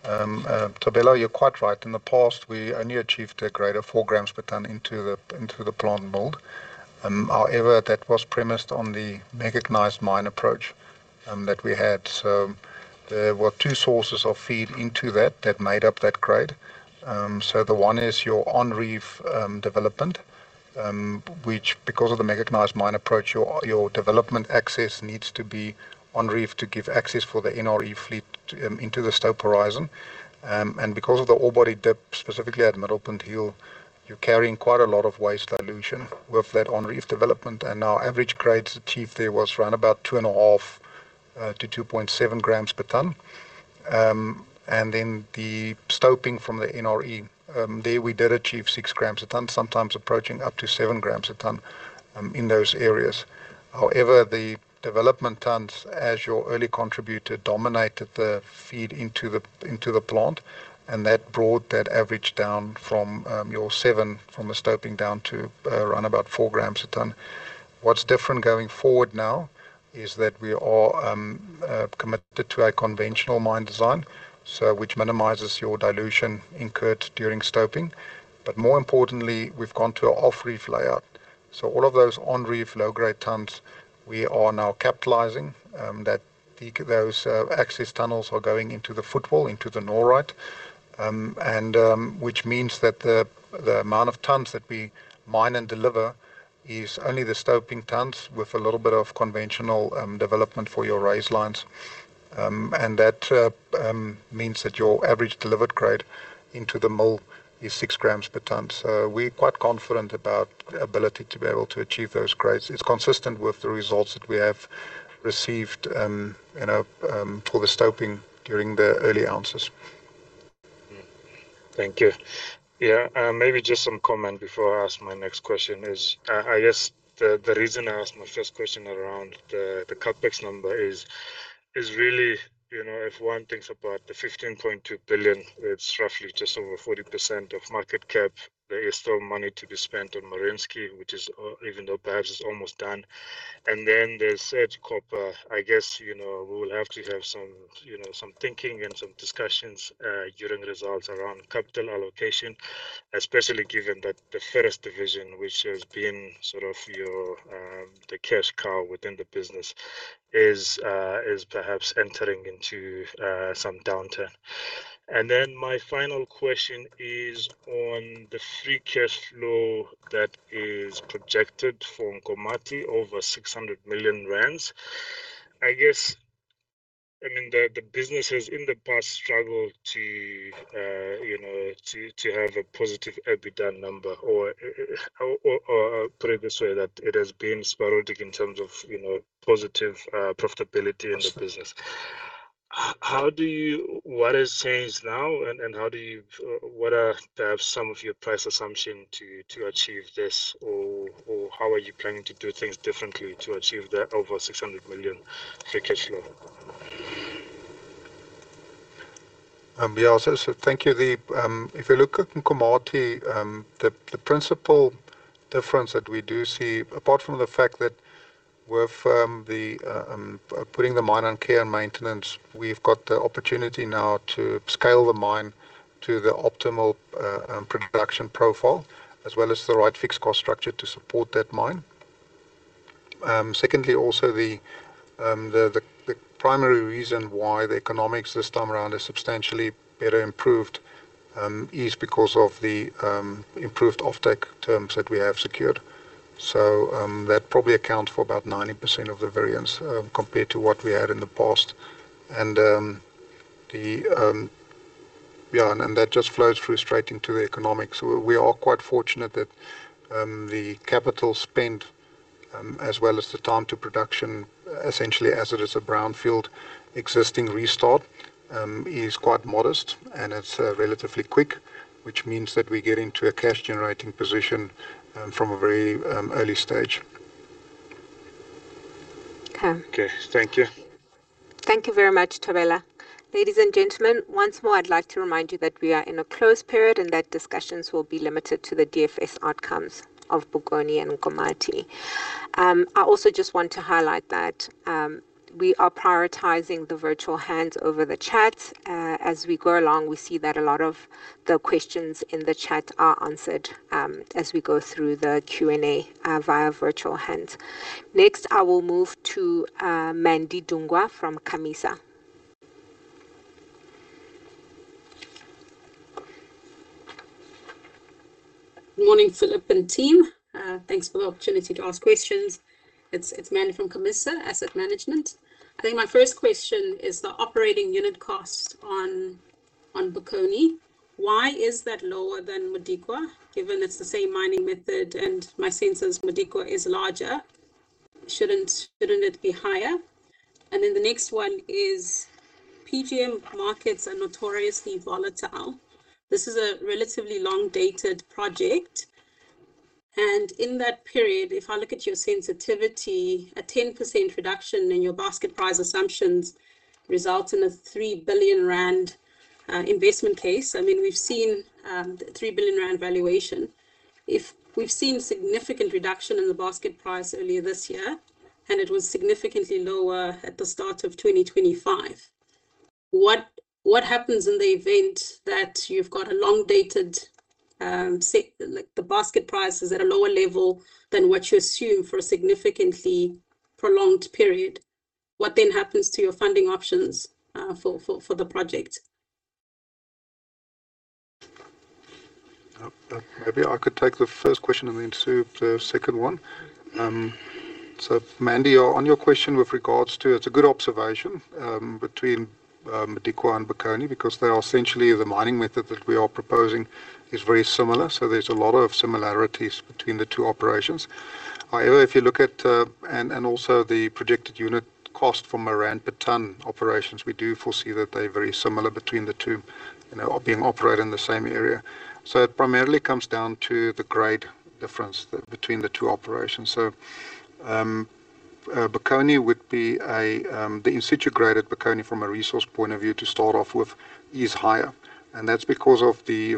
Thobela, you're quite right. In the past, we only achieved a grade of 4 grams per tonne into the plant mill. However, that was premised on the mechanised mine approach that we had. There were two sources of feed into that that made up that grade. The one is your on-reef development, which, because of the mechanised mine approach, your development access needs to be on-reef to give access for the NRE fleet into the stope horizon. Because of the ore body dip, specifically at Middelpunt Hill, you're carrying quite a lot of waste dilution with that on-reef development. Our average grade achieved there was around about 2.5 to 2.7 grams per tonne. Then the stoping from the NRE, there we did achieve 6 grams a tonne, sometimes approaching up to 7 grams a tonne in those areas. However, the development tonnes as your early contributor dominated the feed into the plant, that brought that average down from your 7 grams from a stoping down to around about 4 grams a tonne. What's different going forward now is that we are committed to a conventional mine design, which minimizes your dilution incurred during stoping. More importantly, we've gone to an off-reef layout. All of those on-reef low-grade tonnes, we are now capitalizing, that those access tunnels are going into the footwall, into the norite, which means that the amount of tonnes that we mine and deliver is only the stoping tonnes with a little bit of conventional development for your raise lines. That means that your average delivered grade into the mill is 6 grams per tonne. We're quite confident about the ability to be able to achieve those grades. It's consistent with the results that we have received for the stoping during the early ounces.
Thank you. Yeah. Maybe just some comment before I ask my next question is, I guess, the reason I asked my first question around the CapEx number is really if one thinks about the 15.2 billion, it's roughly just over 40% of market cap. There is still money to be spent on Merensky, even though perhaps it's almost done, and then there's Surge Copper. I guess, we will have to have some thinking and some discussions during results around capital allocation, especially given that the ferrites division, which has been sort of your the cash cow within the business is perhaps entering into some downturn. My final question is on the free cash flow that is projected from Nkomati over 600 million rand. I guess, the business has in the past struggled to have a positive EBITDA number or put it this way, that it has been sporadic in terms of positive profitability in the business. What has changed now and what are perhaps some of your price assumption to achieve this or how are you planning to do things differently to achieve that over 600 million free cash flow?
Yeah. Thank you. If you look at Nkomati, the principle difference that we do see, apart from the fact that we're putting the mine on care and maintenance, we've got the opportunity now to scale the mine to the optimal production profile, as well as the right fixed cost structure to support that mine. Secondly, also the primary reason why the economics this time around is substantially better improved, is because of the improved offtake terms that we have secured. That probably account for about 90% of the variance, compared to what we had in the past. That just flows through straight into the economics. We are quite fortunate that the capital spent, as well as the time to production, essentially as it is a brownfield existing restart, is quite modest and it's relatively quick, which means that we get into a cash-generating position from a very early stage.
Okay.
Okay. Thank you.
Thank you very much, Thobela. Ladies and gentlemen, once more, I'd like to remind you that we are in a closed period and that discussions will be limited to the DFS outcomes of Bokoni and Nkomati. I also just want to highlight that we are prioritizing the virtual hands over the chat. As we go along, we see that a lot of the questions in the chat are answered as we go through the Q and A via virtual hands. Next, I will move to Mandi Dungua from Camissa.
Morning, Phillip and team. Thanks for the opportunity to ask questions. It's Mandi from Camissa Asset Management. I think my first question is the operating unit cost on Bokoni. Why is that lower than Modikwa, given it's the same mining method and my sense is Modikwa is larger. Shouldn't it be higher? The next one is, PGM markets are notoriously volatile. This is a relatively long-dated project, and in that period, if I look at your sensitivity, a 10% reduction in your basket price assumptions results in a 3 billion rand investment case. We've seen 3 billion rand valuation. If we've seen significant reduction in the basket price earlier this year, it was significantly lower at the start of 2025, what happens in the event that you've got a long-dated, say like the basket price is at a lower level than what you assume for a significantly prolonged period? What then happens to your funding options for the project?
Maybe I could take the first question and then Tsu the second one. Mandi, on your question, it's a good observation, between Modikwa and Bokoni because they are essentially the mining method that we are proposing is very similar. There's a lot of similarities between the two operations. However, also the projected unit cost from a rand per ton operations, we do foresee that they're very similar between the two, being operated in the same area. It primarily comes down to the grade difference between the two operations. The in-situ grade at Bokoni from a resource point of view to start off with is higher, and that's because of the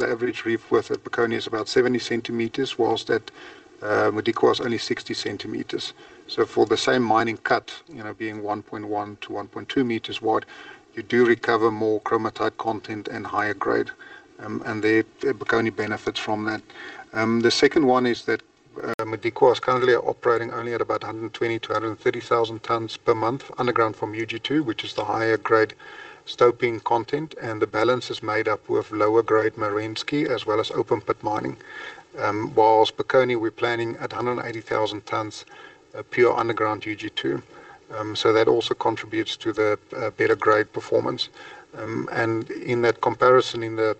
average reef width at Bokoni is about 70 centimeters, whilst at Modikwa is only 60 centimeters. For the same mining cut, being 1.1 to 1.2 meters wide, you do recover more chromite content and higher grade, Bokoni benefits from that. The second one is that Modikwa is currently operating only at about 120,000 to 130,000 tons per month underground from UG2, which is the higher grade stoping content, and the balance is made up with lower grade Merensky as well as open pit mining. Whilst Bokoni, we're planning at 180,000 tonnes pure underground UG2. That also contributes to the better grade performance. In that comparison in the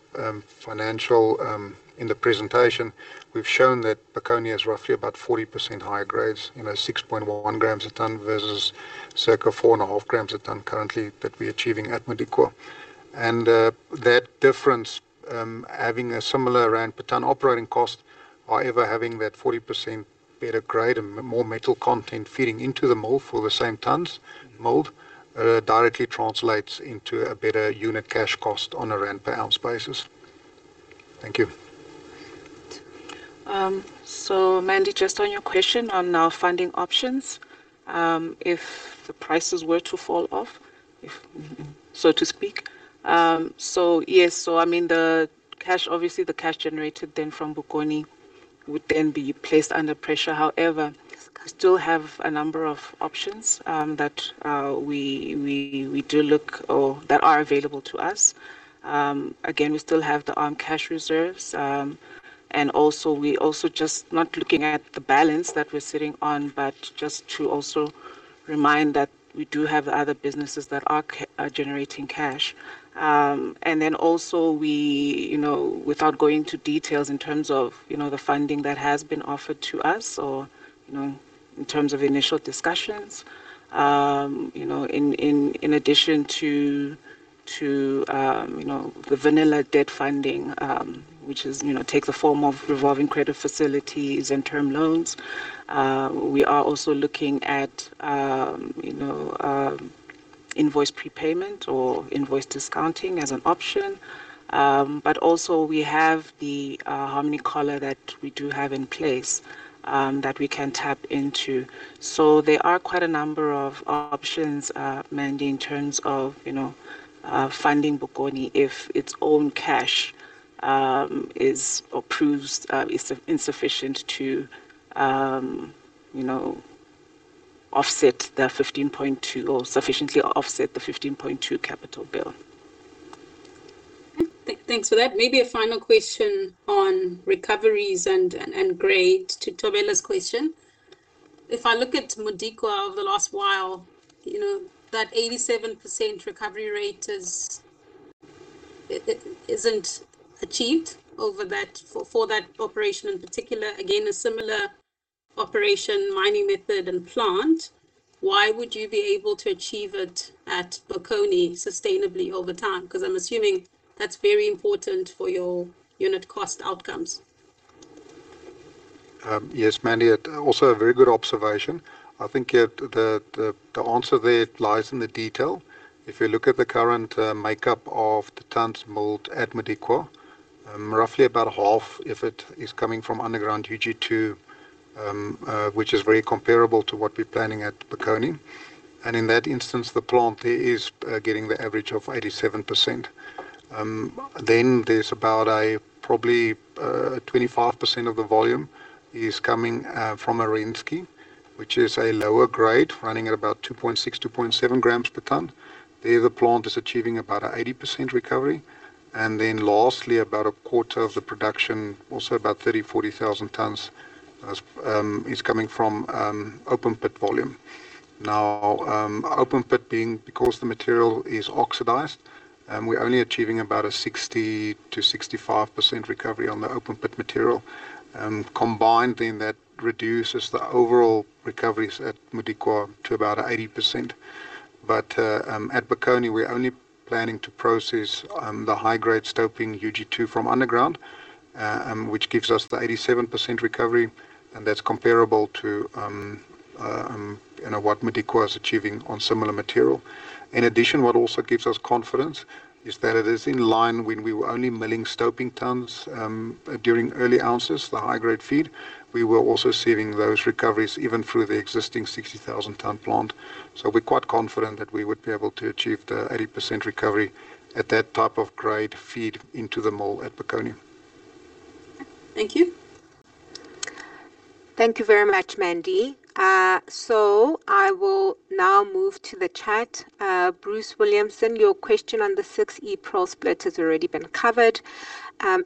presentation, we've shown that Bokoni has roughly about 40% higher grades, 6.1 grams a tonne versus circa 4.5 grams a tonne currently that we're achieving at Modikwa. That difference, having a similar rand per ton operating cost, however, having that 40% better grade and more metal content feeding into the mill for the same tons milled directly translates into a better unit cash cost on a rand per ounce basis. Thank you.
Mandi, just on your question on our funding options. If the prices were to fall off, so to speak. Yes, obviously the cash generated then from Bokoni would then be placed under pressure.
Yes.
We still have a number of options that are available to us. Again, we still have the own cash reserves. Also, we're also just not looking at the balance that we're sitting on, but just to also remind that we do have other businesses that are generating cash. Without going into details in terms of the funding that has been offered to us or in terms of initial discussions. In addition to the vanilla debt funding, which takes the form of revolving credit facilities and term loans, we are also looking at invoice prepayment or invoice discounting as an option. Also, we have the Harmony collar that we do have in place, that we can tap into. There are quite a number of options, Mandi, in terms of funding Bokoni if its own cash proves insufficient to sufficiently offset the 15.2 capital bill.
Thanks for that. Maybe a final question on recoveries and grade to Thobela's question. If I look at Modikwa over the last while, that 87% recovery rate isn't achieved for that operation in particular. Again, a similar operation mining method and plant, why would you be able to achieve it at Bokoni sustainably over time? Because I'm assuming that's very important for your unit cost outcomes.
Yes, Mandi. A very good observation. I think the answer there lies in the detail. If you look at the current makeup of the tonnes milled at Modikwa, roughly about half of it is coming from underground UG2, which is very comparable to what we're planning at Bokoni. In that instance, the plant there is getting the average of 87%. There's about probably 25% of the volume is coming from Merensky, which is a lower grade running at about 2.6, 2.7 grams per tonne. There, the plant is achieving about an 80% recovery. Lastly, about a quarter of the production, also about 30,000, 40,000 tonnes is coming from open pit volume. Open pit being because the material is oxidized, we're only achieving about a 60%-65% recovery on the open pit material. Combined, that reduces the overall recoveries at Modikwa to about 80%. At Bokoni, we are only planning to process the high-grade stoping UG2 from underground, which gives us the 87% recovery, and that is comparable to what Modikwa is achieving on similar material. In addition, what also gives us confidence is that it is in line when we were only milling stoping tons during early ounces, the high-grade feed. We were also seeing those recoveries even through the existing 60,000-tonne plant. We are quite confident that we would be able to achieve the 80% recovery at that type of grade feed into the mill at Bokoni.
Thank you.
Thank you very much, Mandi. I will now move to the chat. Bruce Williamson, your question on the 6 April split has already been covered.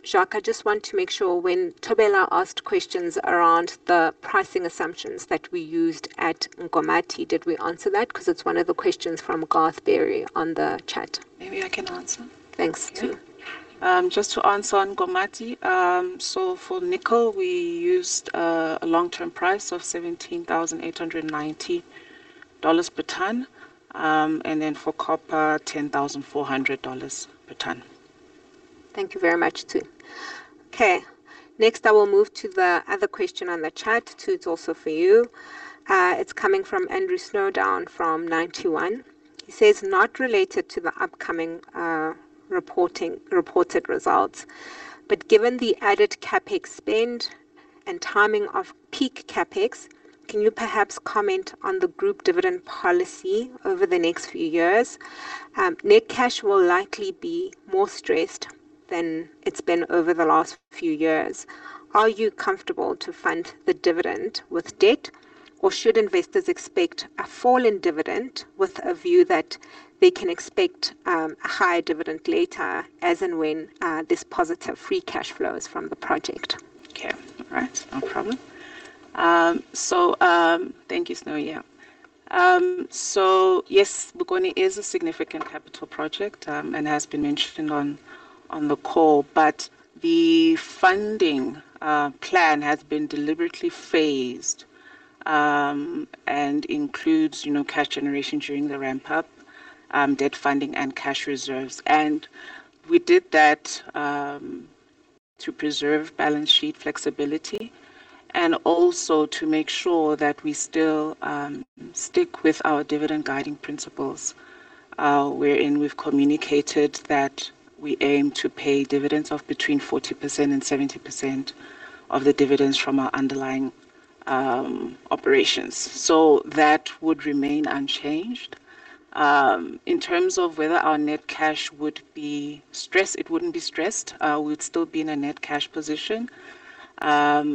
Jacques, I just want to make sure when Thobela asked questions around the pricing assumptions that we used at Nkomati, did we answer that? It is one of the questions from Garth Berry on the chat.
Maybe I can answer.
Thanks, Tsu.
Just to answer on Nkomati. For nickel, we used a long-term price of $17,890 per tonne. For copper, $10,400 per tonne.
Thank you very much, Tsu. Okay. Next, I will move to the other question on the chat. Tsu, it's also for you. It's coming from Andrew Snowden from 921. He says: "Not related to the upcoming reported results. Given the added CapEx spend and timing of peak CapEx, can you perhaps comment on the group dividend policy over the next few years? Net cash will likely be more stressed than it's been over the last few years. Are you comfortable to fund the dividend with debt? Should investors expect a fall in dividend with a view that they can expect a higher dividend later as and when there's positive free cash flows from the project?
Okay. All right. No problem. Thank you, Snow. Yeah. Yes, Bokoni is a significant capital project, and has been mentioned on the call. The funding plan has been deliberately phased, and includes cash generation during the ramp-up, debt funding and cash reserves. We did that to preserve balance sheet flexibility and also to make sure that we still stick with our dividend guiding principles, wherein we've communicated that we aim to pay dividends of between 40% and 70% of the dividends from our underlying operations. That would remain unchanged. In terms of whether our net cash would be stressed, it wouldn't be stressed. We'd still be in a net cash position. As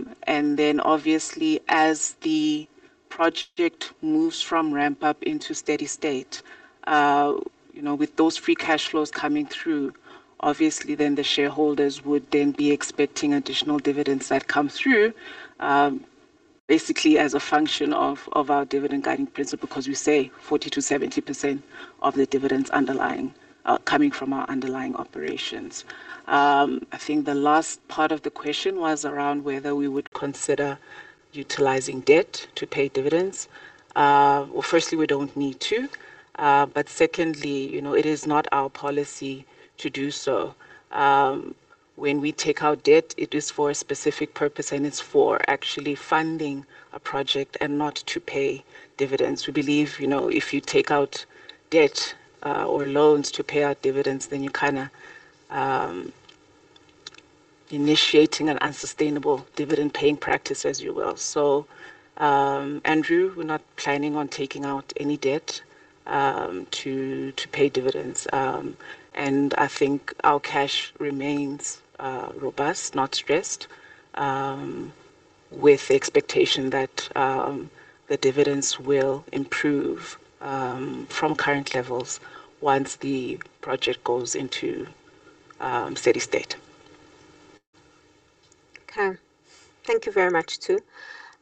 the project moves from ramp-up into steady state, with those free cash flows coming through, obviously then the shareholders would then be expecting additional dividends that come through, basically as a function of our dividend guiding principle, because we say 40%-70% of the dividends coming from our underlying operations. I think the last part of the question was around whether we would consider utilizing debt to pay dividends. Firstly, we don't need to. Secondly, it is not our policy to do so. When we take out debt, it is for a specific purpose and it's for actually funding a project and not to pay dividends. We believe if you take out debt or loans to pay out dividends, then you're kind of initiating an unsustainable dividend-paying practice, as you will. Andrew, we're not planning on taking out any debt to pay dividends. I think our cash remains robust, not stressed, with the expectation that the dividends will improve from current levels once the project goes into steady state.
Thank you very much, Tsu.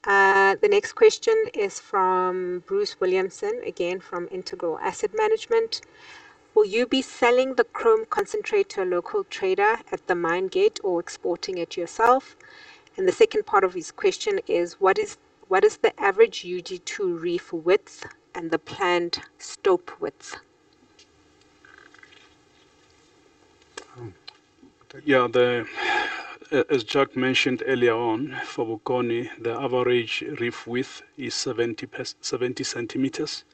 The next question is from Bruce Williamson, again from Integral Asset Management. Will you be selling the chrome concentrate to a local trader at the mine gate or exporting it yourself? The second part of his question is, what is the average UG2 reef width and the planned stope width?
As Jacques mentioned earlier on, for Bokoni, the average reef width is 70 centimeters,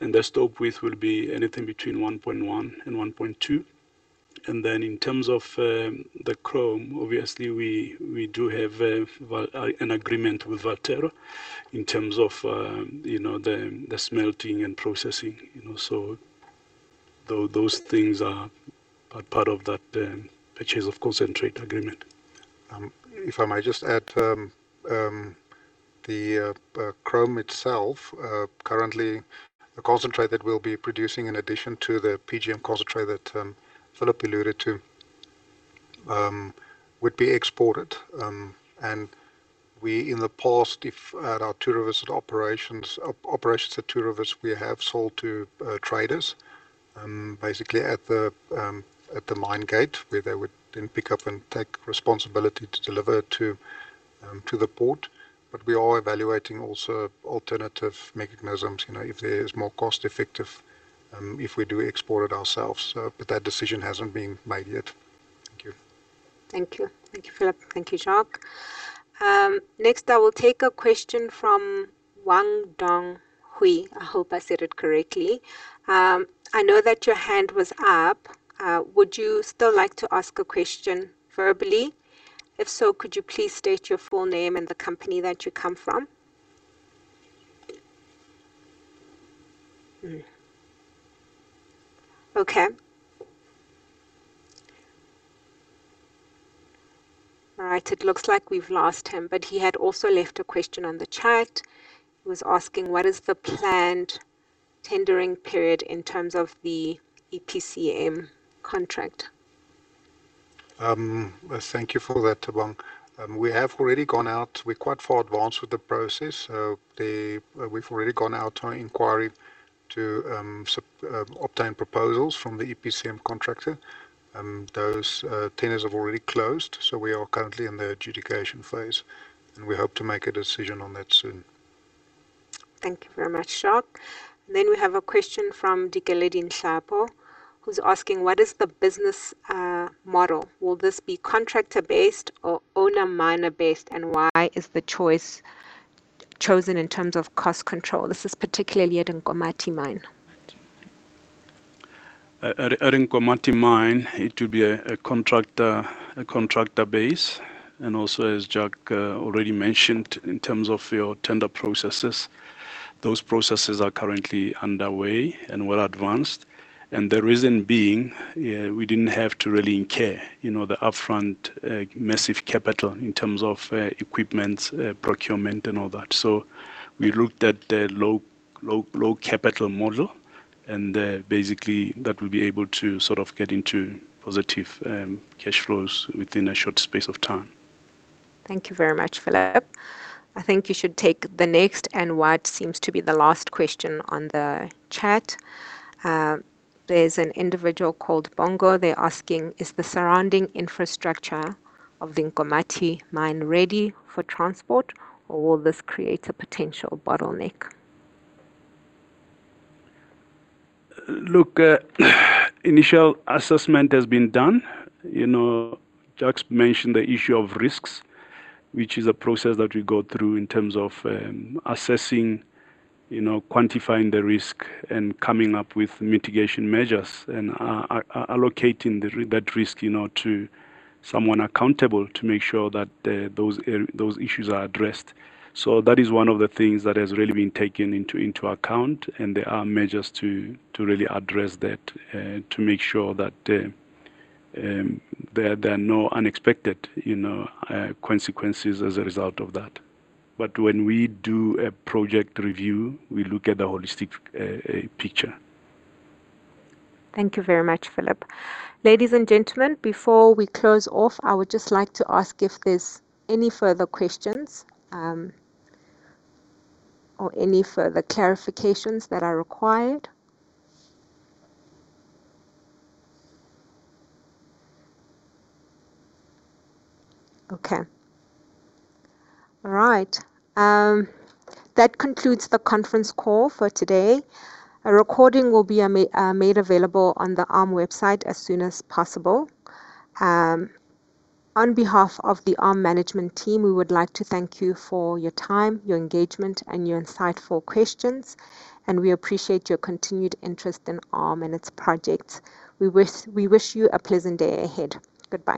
and the stope width will be anything between 1.1 and 1.2. In terms of the chrome, obviously we do have an agreement with Valterra in terms of the smelting and processing. Those things are part of that purchase of concentrate agreement.
If I may just add, the chromite itself, currently the concentrate that we'll be producing in addition to the PGM concentrate that Phillip alluded to, would be exported. And we in the past, at our Two Rivers operations, we have sold to traders, basically at the mine gate where they would then pick up and take responsibility to deliver to the port. We are evaluating also alternative mechanisms, if there is more cost effective, if we do export it ourselves. That decision hasn't been made yet. Thank you.
Thank you. Thank you, Phillip. Thank you, Jacques. Next, I will take a question from Wang Dong Hui. I hope I said it correctly. I know that your hand was up. Would you still like to ask a question verbally? If so, could you please state your full name and the company that you come from? Okay. All right. It looks like we've lost him. He had also left a question on the chat. He was asking, what is the planned tendering period in terms of the EPCM contract?
Thank you for that, Wang. We have already gone out. We're quite far advanced with the process. We've already gone out on inquiry to obtain proposals from the EPCM contractor. Those tenders have already closed, so we are currently in the adjudication phase, and we hope to make a decision on that soon.
Thank you very much, Jacques. We have a question from Dikeledi Nhlapho, who's asking, what is the business model? Will this be contractor-based or owner-miner-based, and why is the choice chosen in terms of cost control? This is particularly at Nkomati mine.
At Nkomati mine, it will be a contractor base. Also, as Jacques already mentioned, in terms of your tender processes, those processes are currently underway and well advanced. The reason being, we didn't have to really incur the upfront massive capital in terms of equipment procurement and all that. We looked at the low capital model, and basically that we'll be able to sort of get into positive cash flows within a short space of time.
Thank you very much, Phillip. I think you should take the next and what seems to be the last question on the chat. There's an individual called Bongo. They're asking, "Is the surrounding infrastructure of the Nkomati mine ready for transport, or will this create a potential bottleneck?
Look, initial assessment has been done. Jacques mentioned the issue of risks, which is a process that we go through in terms of assessing, quantifying the risk and coming up with mitigation measures and allocating that risk to someone accountable to make sure that those issues are addressed. That is one of the things that has really been taken into account, and there are measures to really address that, to make sure that there are no unexpected consequences as a result of that. When we do a project review, we look at the holistic picture.
Thank you very much, Phillip. Ladies and gentlemen, before we close off, I would just like to ask if there's any further questions or any further clarifications that are required. Okay. All right. That concludes the conference call for today. A recording will be made available on the ARM website as soon as possible. On behalf of the ARM management team, we would like to thank you for your time, your engagement, and your insightful questions, and we appreciate your continued interest in ARM and its projects. We wish you a pleasant day ahead. Goodbye.